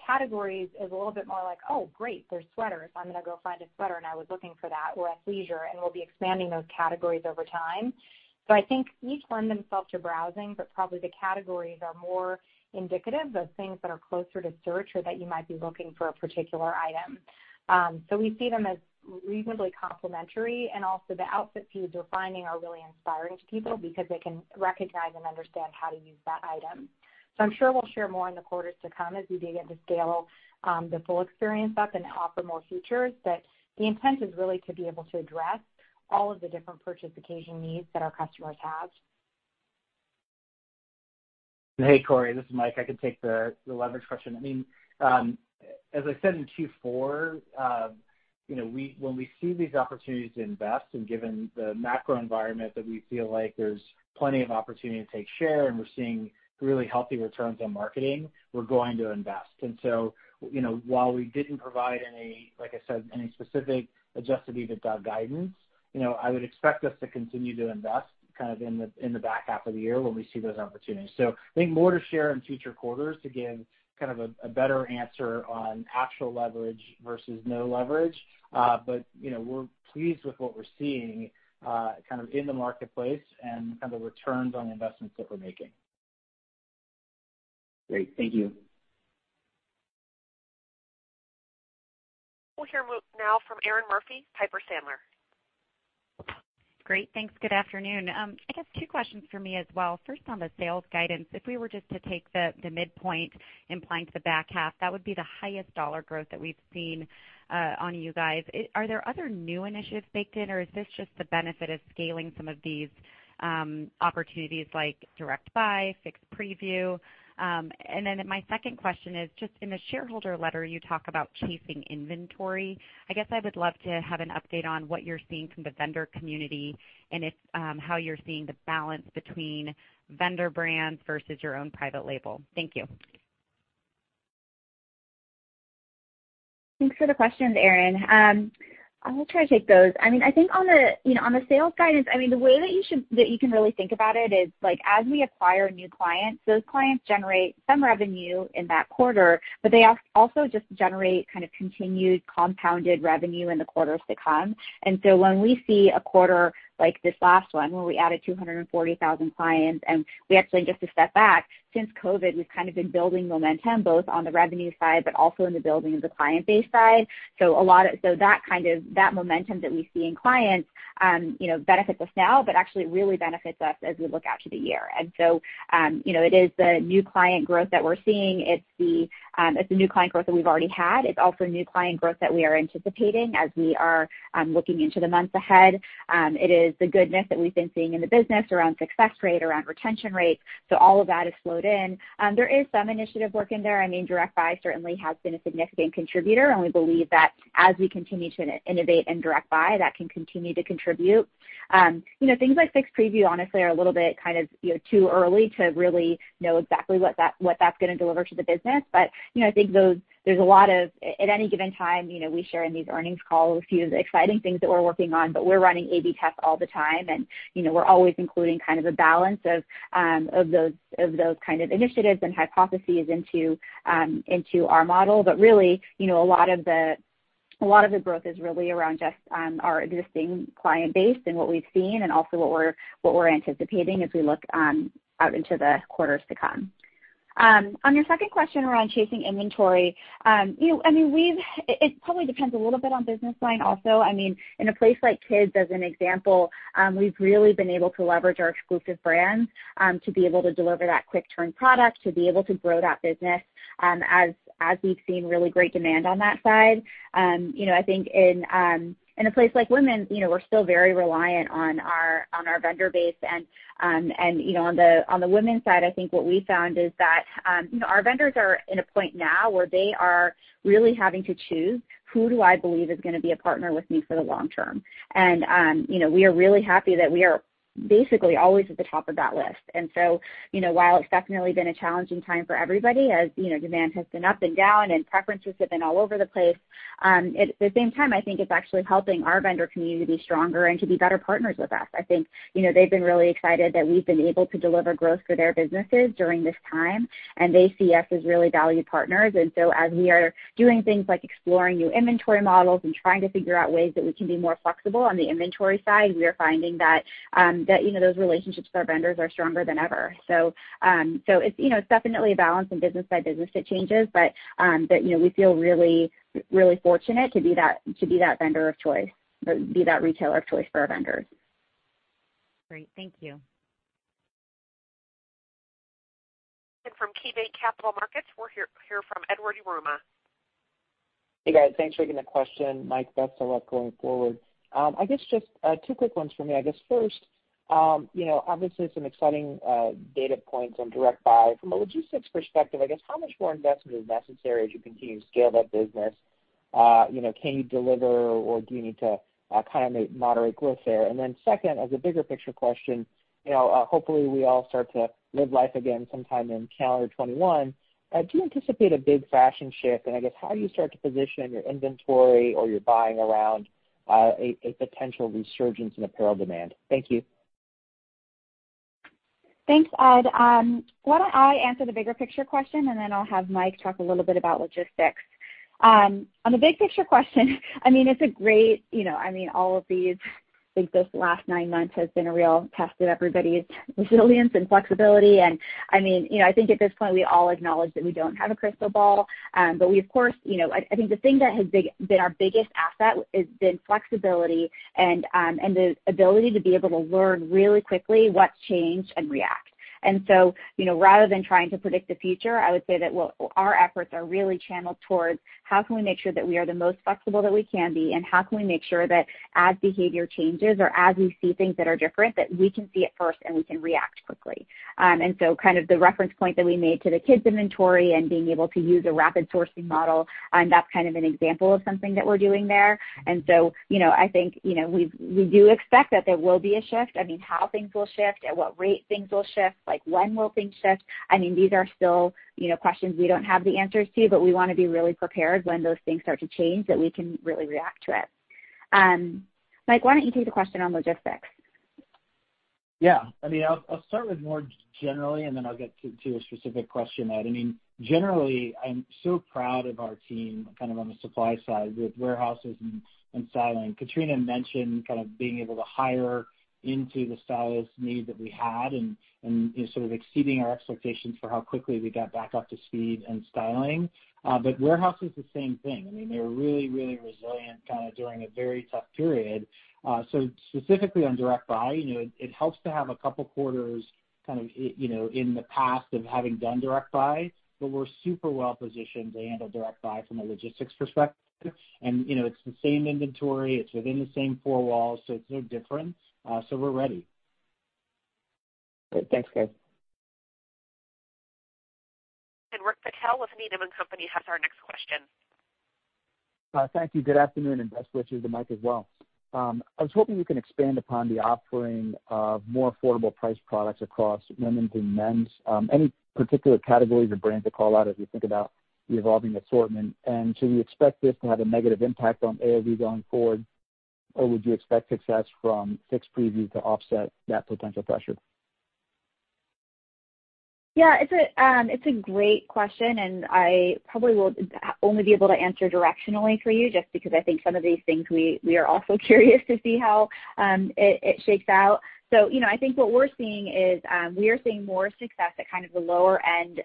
[SPEAKER 4] Categories is a little bit more like, Oh, great. There's sweaters. I'm going to go find a sweater, and I was looking for that, or athleisure, and we'll be expanding those categories over time. I think each lend themselves to browsing, but probably the categories are more indicative of things that are closer to search or that you might be looking for a particular item. We see them as reasonably complementary, and also the outfit feeds we're finding are really inspiring to people because they can recognize and understand how to use that item. I'm sure we'll share more in the quarters to come as we begin to scale the full experience up and offer more features. The intent is really to be able to address all of the different purchase occasion needs that our customers have.
[SPEAKER 5] Hey, Cory, this is Mike. I can take the leverage question. I said in Q4, when we see these opportunities to invest, given the macro environment that we feel like there's plenty of opportunity to take share, we're seeing really healthy returns on marketing, we're going to invest. While we didn't provide any, like I said, any specific adjusted EBITDA guidance, I would expect us to continue to invest kind of in the back half of the year when we see those opportunities. I think more to share in future quarters to give kind of a better answer on actual leverage versus no leverage. We're pleased with what we're seeing kind of in the marketplace and kind of the returns on the investments that we're making.
[SPEAKER 10] Great. Thank you.
[SPEAKER 1] We'll hear now from Erinn Murphy, Piper Sandler.
[SPEAKER 11] Great, thanks. Good afternoon. I guess two questions from me as well. First, on the sales guidance, if we were just to take the midpoint implying to the back half, that would be the highest dollar growth that we've seen on you guys. Are there other new initiatives baked in, or is this just the benefit of scaling some of these opportunities like Direct Buy, Fix Preview? My second question is just in the shareholder letter, you talk about chasing inventory. I guess I would love to have an update on what you're seeing from the vendor community and how you're seeing the balance between vendor brands versus your own private label. Thank you.
[SPEAKER 3] Thanks for the questions, Erinn. I'll try to take those. I think on the sales guidance, the way that you can really think about it is as we acquire new clients, those clients generate some revenue in that quarter, but they also just generate kind of continued compounded revenue in the quarters to come. When we see a quarter like this last one where we added 240,000 clients, and we actually, just to step back, since COVID, we've kind of been building momentum both on the revenue side, but also in the building of the client base side. That momentum that we see in clients benefits us now, but actually it really benefits us as we look out to the year. It is the new client growth that we're seeing. It's the new client growth that we've already had. It's also new client growth that we are anticipating as we are looking into the months ahead. It is the goodness that we've been seeing in the business around success rate, around retention rates. All of that has flowed in. There is some initiative work in there. Direct Buy certainly has been a significant contributor, and we believe that as we continue to innovate in Direct Buy, that can continue to contribute. Things like Fix Preview, honestly, are a little bit too early to really know exactly what that's going to deliver to the business. I think there's a lot of at any given time, we share in these earnings calls a few of the exciting things that we're working on, but we're running A/B tests all the time, and we're always including a balance of those kind of initiatives and hypotheses into our model. Really, a lot of the growth is really around just our existing client base and what we've seen and also what we're anticipating as we look out into the quarters to come. On your second question around chasing inventory, it probably depends a little bit on business line also. In a place like kids, as an example, we've really been able to leverage our exclusive brands, to be able to deliver that quick turn product, to be able to grow that business, as we've seen really great demand on that side. I think in a place like women's, we're still very reliant on our vendor base and on the women's side, I think what we found is that our vendors are in a point now where they are really having to choose, who do I believe is going to be a partner with me for the long term? We are really happy that we are basically always at the top of that list. While it's definitely been a challenging time for everybody, as demand has been up and down and preferences have been all over the place, at the same time, I think it's actually helping our vendor community be stronger and to be better partners with us. I think they've been really excited that we've been able to deliver growth for their businesses during this time, and they see us as really valued partners. As we are doing things like exploring new inventory models and trying to figure out ways that we can be more flexible on the inventory side, we are finding that those relationships with our vendors are stronger than ever. It's definitely a balance, and business by business, it changes. We feel really fortunate to be that vendor of choice, be that retailer of choice for our vendors.
[SPEAKER 11] Great. Thank you.
[SPEAKER 1] From KeyBanc Capital Markets, we'll hear from Edward Yruma.
[SPEAKER 12] Hey, guys. Thanks for taking the question. Mike, best of luck going forward. I guess just two quick ones from me. I guess first, obviously some exciting data points on Direct Buy. From a logistics perspective, I guess how much more investment is necessary as you continue to scale that business? Can you deliver or do you need to kind of make moderate growth there? Second, as a bigger picture question, hopefully we all start to live life again sometime in calendar 2021. Do you anticipate a big fashion shift and I guess how do you start to position your inventory or your buying around a potential resurgence in apparel demand? Thank you.
[SPEAKER 3] Thanks, Ed. Why don't I answer the bigger picture question, and then I'll have Mike talk a little bit about logistics. On the big picture question, all of these, I think those last nine months has been a real test of everybody's resilience and flexibility, and I think at this point, we all acknowledge that we don't have a crystal ball. I think the thing that has been our biggest asset has been flexibility and the ability to be able to learn really quickly what changed and react. Rather than trying to predict the future, I would say that our efforts are really channeled towards how can we make sure that we are the most flexible that we can be, and how can we make sure that as behavior changes or as we see things that are different, that we can see it first and we can react quickly. Kind of the reference point that we made to the kids inventory and being able to use a rapid sourcing model, and that's kind of an example of something that we're doing there. I think we do expect that there will be a shift. How things will shift, at what rate things will shift, when will things shift? These are still questions we don't have the answers to. We want to be really prepared when those things start to change that we can really react to it. Mike, why don't you take the question on logistics?
[SPEAKER 5] Yeah. I'll start with more generally, and then I'll get to a specific question, Ed. Generally, I'm so proud of our team on the supply side with warehouses and styling. Katrina mentioned being able to hire into the stylist need that we had and sort of exceeding our expectations for how quickly we got back up to speed in styling. Warehouse is the same thing. They were really resilient during a very tough period. Specifically on Direct Buy, it helps to have a couple quarters in the past of having done Direct Buy, but we're super well-positioned to handle Direct Buy from a logistics perspective. It's the same inventory, it's within the same four walls, so it's no different. We're ready.
[SPEAKER 12] Great. Thanks, guys.
[SPEAKER 1] Rick Patel with Needham & Company has our next question.
[SPEAKER 13] Thank you. Good afternoon, and best wishes to Mike as well. I was hoping you can expand upon the offering of more affordable priced products across women's and men's. Any particular categories or brands to call out as you think about the evolving assortment? Should we expect this to have a negative impact on AOV going forward, or would you expect success from Fix Preview to offset that potential pressure?
[SPEAKER 3] It's a great question. I probably will only be able to answer directionally for you, just because I think some of these things we are also curious to see how it shakes out. I think what we're seeing is, we are seeing more success at kind of the lower end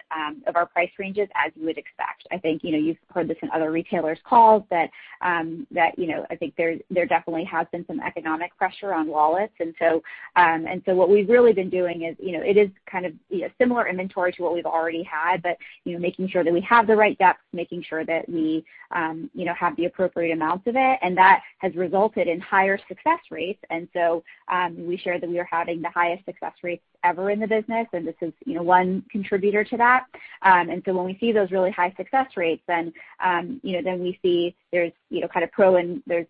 [SPEAKER 3] of our price ranges, as you would expect. I think you've heard this in other retailers' calls that I think there definitely has been some economic pressure on wallets. What we've really been doing is, it is kind of similar inventory to what we've already had, but making sure that we have the right depth, making sure that we have the appropriate amounts of it, and that has resulted in higher success rates. We shared that we are having the highest success rates ever in the business, and this is one contributor to that. When we see those really high success rates, we see there's kind of pro and there's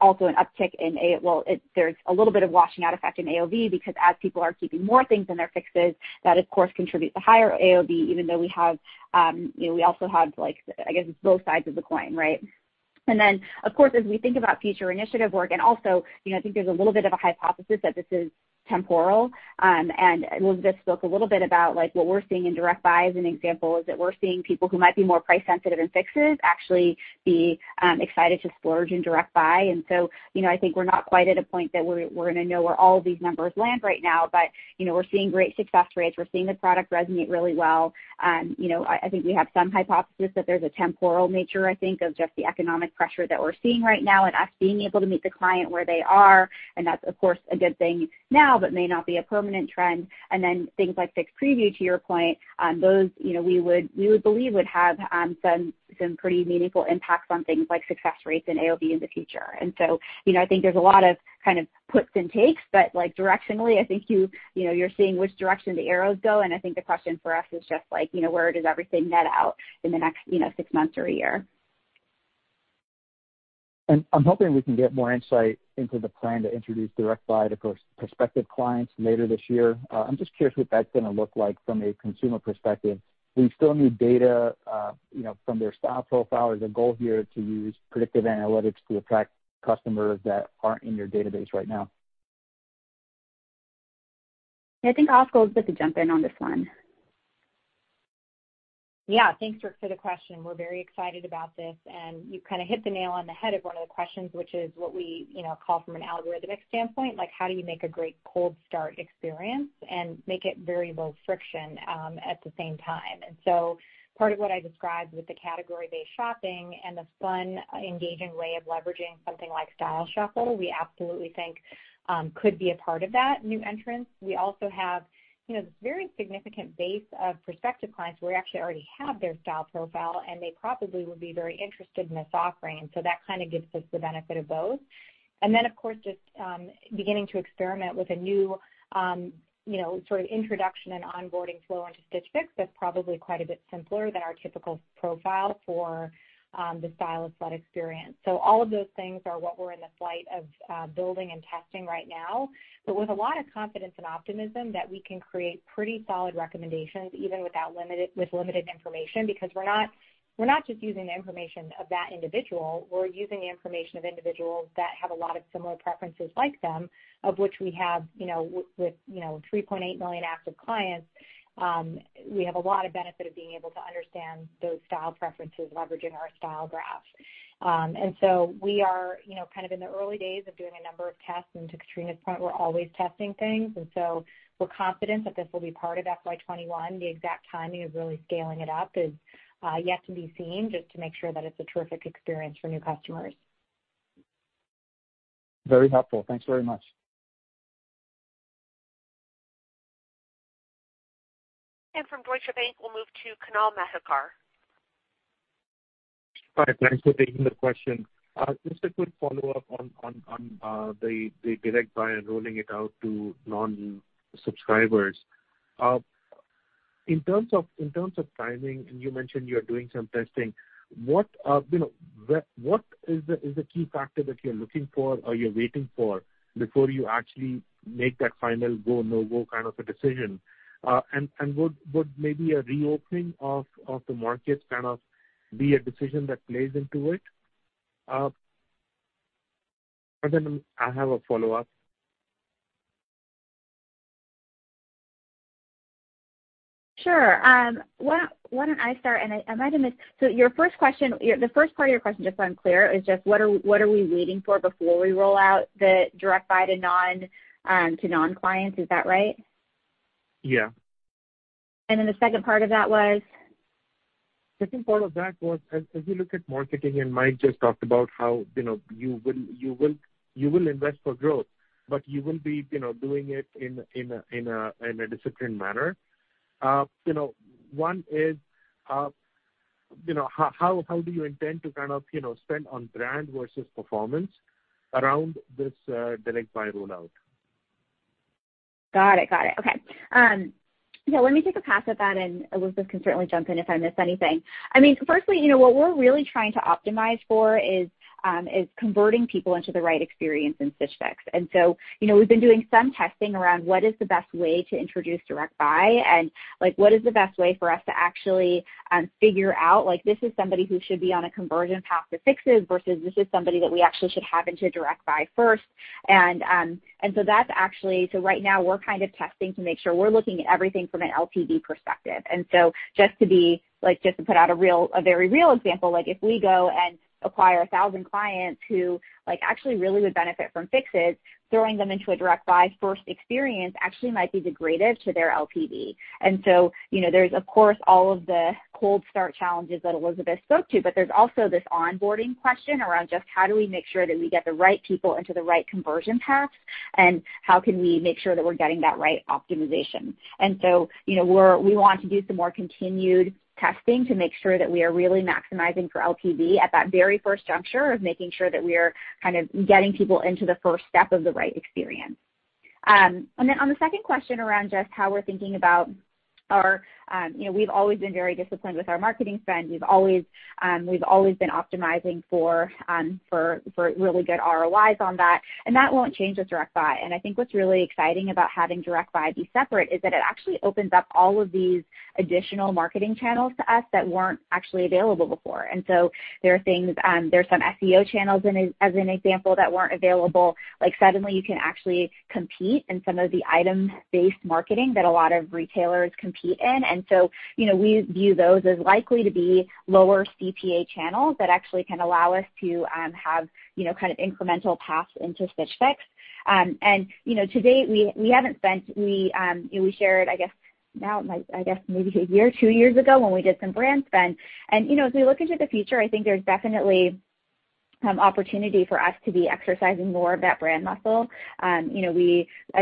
[SPEAKER 3] also an uptick in Well, there's a little bit of washing out effect in AOV because as people are keeping more things in their Fixes, that, of course, contributes to higher AOV, even though we also have, I guess it's both sides of the coin, right? Of course, as we think about future initiative work, and also, I think there's a little bit of a hypothesis that this is temporal. Elizabeth spoke a little bit about what we're seeing in Direct Buy as an example, is that we're seeing people who might be more price sensitive in Fixes actually be excited to splurge in Direct Buy. I think we're not quite at a point that we're going to know where all of these numbers land right now, but we're seeing great success rates. We're seeing the product resonate really well. I think we have some hypothesis that there's a temporal nature, I think, of just the economic pressure that we're seeing right now and us being able to meet the client where they are, and that's, of course, a good thing now, but may not be a permanent trend. Things like Fix Preview, to your point, those we would believe would have some pretty meaningful impacts on things like success rates and AOV in the future. I think there's a lot of kind of puts and takes, but directionally, I think you're seeing which direction the arrows go, and I think the question for us is just where does everything net out in the next six months or a year.
[SPEAKER 13] I'm hoping we can get more insight into the plan to introduce Direct Buy to prospective clients later this year. I'm just curious what that's going to look like from a consumer perspective. Do we still need data from their Style Profile? Is the goal here to use predictive analytics to attract customers that aren't in your database right now?
[SPEAKER 3] I think I'll ask Elizabeth to jump in on this one.
[SPEAKER 4] Thanks, Rick, for the question. We're very excited about this, and you kind of hit the nail on the head of one of the questions, which is what we call from an algorithmic standpoint, how do you make a great cold start experience and make it very low friction at the same time? Part of what I described with the category-based shopping and the fun, engaging way of leveraging something like Style Shuffle, we absolutely think could be a part of that new entrance. We also have a very significant base of prospective clients where we actually already have their style profile, and they probably would be very interested in this offering. That kind of gives us the benefit of both. Of course, just beginning to experiment with a new sort of introduction and onboarding flow into Stitch Fix that is probably quite a bit simpler than our typical profile for the stylist-led experience. All of those things are what we are in the flight of building and testing right now, but with a lot of confidence and optimism that we can create pretty solid recommendations, even with limited information, because we are not just using the information of that individual, we are using the information of individuals that have a lot of similar preferences like them, of which we have with 3.8 million active clients, we have a lot of benefit of being able to understand those style preferences leveraging our Style Graph. We are kind of in the early days of doing a number of tests, and to Katrina's point, we're always testing things, and so we're confident that this will be part of FY 2021. The exact timing of really scaling it up is yet to be seen, just to make sure that it's a terrific experience for new customers.
[SPEAKER 13] Very helpful. Thanks very much.
[SPEAKER 1] From Deutsche Bank, we'll move to Kunal Madhukar.
[SPEAKER 14] Hi, thanks for taking the question. Just a quick follow-up on the Direct Buy and rolling it out to non-subscribers. In terms of timing, and you mentioned you're doing some testing, what is the key factor that you're looking for or you're waiting for before you actually make that final go, no go kind of a decision? Would maybe a reopening of the markets kind of be a decision that plays into it? Pratim, I have a follow-up.
[SPEAKER 3] Sure. Why don't I start? I might have missed the first part of your question, just so I'm clear, is just what are we waiting for before we roll out the Direct Buy to non-clients? Is that right?
[SPEAKER 14] Yeah.
[SPEAKER 3] Then the second part of that was?
[SPEAKER 14] Second part of that was, as we look at marketing, and Mike just talked about how you will invest for growth, but you will be doing it in a disciplined manner. One is, how do you intend to kind of spend on brand versus performance around this Direct Buy rollout?
[SPEAKER 3] Got it. Okay. Yeah, let me take a pass at that, and Elizabeth can certainly jump in if I miss anything. Firstly, what we're really trying to optimize for is converting people into the right experience in Stitch Fix. We've been doing some testing around what is the best way to introduce Direct Buy, and what is the best way for us to actually figure out, this is somebody who should be on a conversion path to Fixes versus this is somebody that we actually should have into Direct Buy first. That's actually, so right now we're kind of testing to make sure we're looking at everything from an LTV perspective. Just to put out a very real example, if we go and acquire 1,000 clients who actually really would benefit from Fixes, throwing them into a Direct Buy first experience actually might be degradative to their LTV. There's of course, all of the cold start challenges that Elizabeth spoke to, but there's also this onboarding question around just how do we make sure that we get the right people into the right conversion paths, and how can we make sure that we're getting that right optimization? We want to do some more continued testing to make sure that we are really maximizing for LTV at that very first juncture of making sure that we're kind of getting people into the first step of the right experience. On the second question around just how we're thinking about our We've always been very disciplined with our marketing spend. We've always been optimizing for really good ROIs on that, and that won't change with Direct Buy. I think what's really exciting about having Direct Buy be separate is that it actually opens up all of these additional marketing channels to us that weren't actually available before. There's some SEO channels, as an example, that weren't available. Suddenly, you can actually compete in some of the item-based marketing that a lot of retailers compete in. We view those as likely to be lower CPA channels that actually can allow us to have kind of incremental paths into Stitch Fix. To date, we haven't spent We shared, I guess maybe a year, two years ago, when we did some brand spend. As we look into the future, I think there's definitely some opportunity for us to be exercising more of that brand muscle. I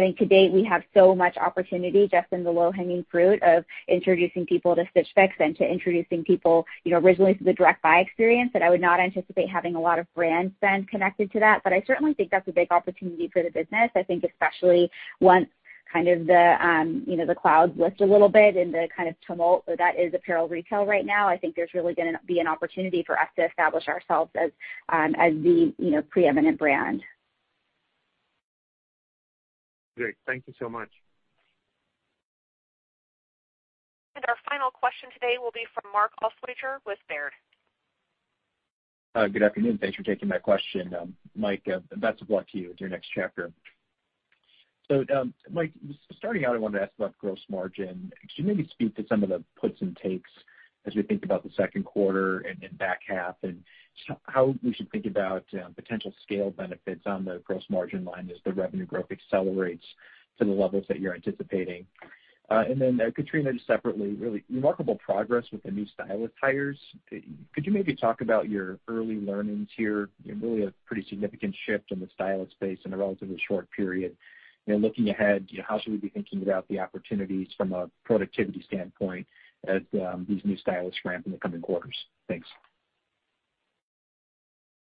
[SPEAKER 3] think to date, we have so much opportunity just in the low-hanging fruit of introducing people to Stitch Fix than to introducing people originally to the Direct Buy experience, that I would not anticipate having a lot of brand spend connected to that. I certainly think that's a big opportunity for the business. I think especially once kind of the clouds lift a little bit and the kind of tumult that is apparel retail right now, I think there's really going to be an opportunity for us to establish ourselves as the preeminent brand.
[SPEAKER 14] Great. Thank you so much.
[SPEAKER 1] Our final question today will be from Mark Altschwager with Baird.t
[SPEAKER 15] Good afternoon. Thanks for taking my question. Mike, best of luck to you with your next chapter. Mike, starting out, I wanted to ask about gross margin. Could you maybe speak to some of the puts and takes as we think about the second quarter and then back half, and how we should think about potential scale benefits on the gross margin line as the revenue growth accelerates to the levels that you're anticipating? Katrina, separately, really remarkable progress with the new stylist hires. Could you maybe talk about your early learnings here? Really a pretty significant shift in the stylist space in a relatively short period. Looking ahead, how should we be thinking about the opportunities from a productivity standpoint as these new stylists ramp in the coming quarters? Thanks.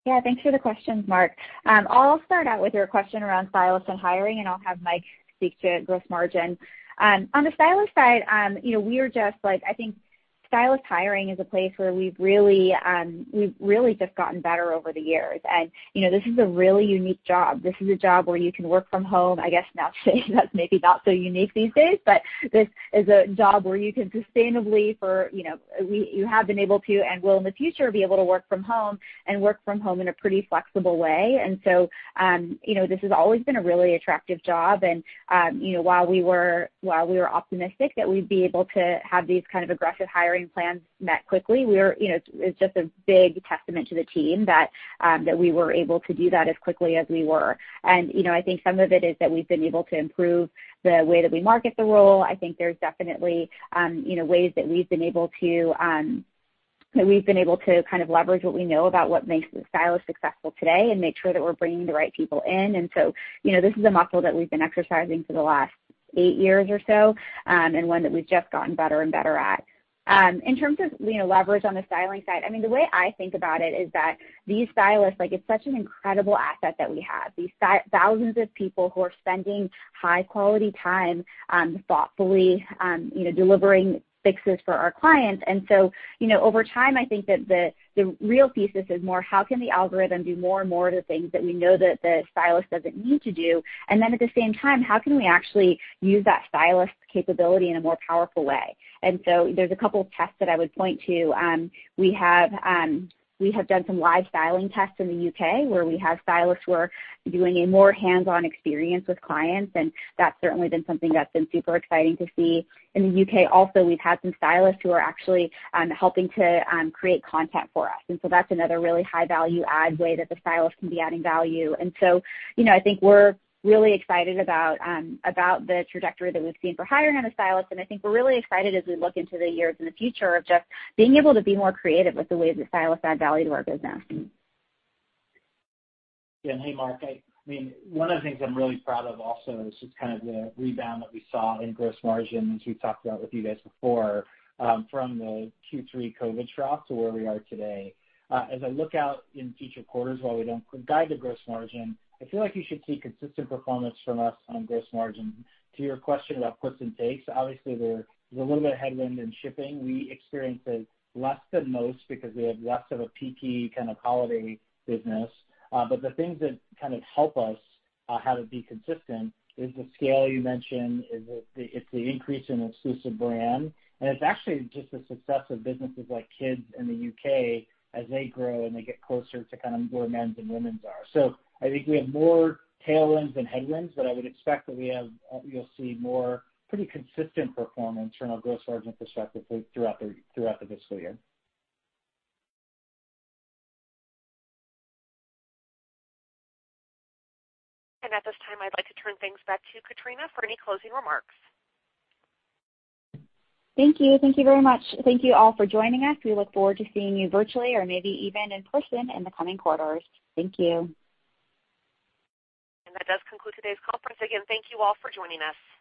[SPEAKER 3] Yeah, thanks for the questions, Mark. I'll start out with your question around stylists and hiring, and I'll have Mike speak to gross margin. On the stylist side, I think stylist hiring is a place where we've really just gotten better over the years. This is a really unique job. This is a job where you can work from home, I guess now, that's maybe not so unique these days, but this is a job where you can sustainably for you have been able to, and will in the future, be able to work from home, and work from home in a pretty flexible way. This has always been a really attractive job, and while we were optimistic that we'd be able to have these kind of aggressive hiring plans met quickly, it's just a big testament to the team that we were able to do that as quickly as we were. I think some of it is that we've been able to improve the way that we market the role. I think there's definitely ways that we've been able to kind of leverage what we know about what makes a stylist successful today and make sure that we're bringing the right people in. This is a muscle that we've been exercising for the last eight years or so, and one that we've just gotten better and better at. In terms of leverage on the styling side, the way I think about it is that these stylists, it's such an incredible asset that we have. These thousands of people who are spending high quality time thoughtfully delivering Fixes for our clients. Over time, I think that the real thesis is more how can the algorithm do more and more of the things that we know that the stylist doesn't need to do? At the same time, how can we actually use that stylist capability in a more powerful way? There's a couple tests that I would point to. We have done some live styling tests in the U.K., where we have stylists who are doing a more hands-on experience with clients, and that's certainly been something that's been super exciting to see. In the U.K. also, we've had some stylists who are actually helping to create content for us, that's another really high-value add way that the stylists can be adding value. I think we're really excited about the trajectory that we've seen for hiring on a stylist, and I think we're really excited as we look into the years in the future of just being able to be more creative with the ways that stylists add value to our business.
[SPEAKER 5] Yeah. Hey, Mark, one of the things I'm really proud of also is just kind of the rebound that we saw in gross margins. We've talked about with you guys before, from the Q3 COVID trough to where we are today. As I look out in future quarters, while we don't guide the gross margin, I feel like you should see consistent performance from us on gross margin. To your question about puts and takes, obviously, there's a little bit of headwind in shipping. We experience it less than most because we have less of a peaky kind of holiday business. The things that kind of help us how to be consistent is the scale you mentioned, it's the increase in exclusive brand, and it's actually just the success of businesses like Kids in the U.K. as they grow and they get closer to kind of where men's and women's are. I think we have more tailwinds than headwinds, but I would expect that you'll see more pretty consistent performance from a gross margin perspective throughout the fiscal year.
[SPEAKER 1] At this time, I'd like to turn things back to Katrina for any closing remarks.
[SPEAKER 3] Thank you. Thank you very much. Thank you all for joining us. We look forward to seeing you virtually or maybe even in person in the coming quarters. Thank you.
[SPEAKER 1] That does conclude today's conference. Again, thank you all for joining us.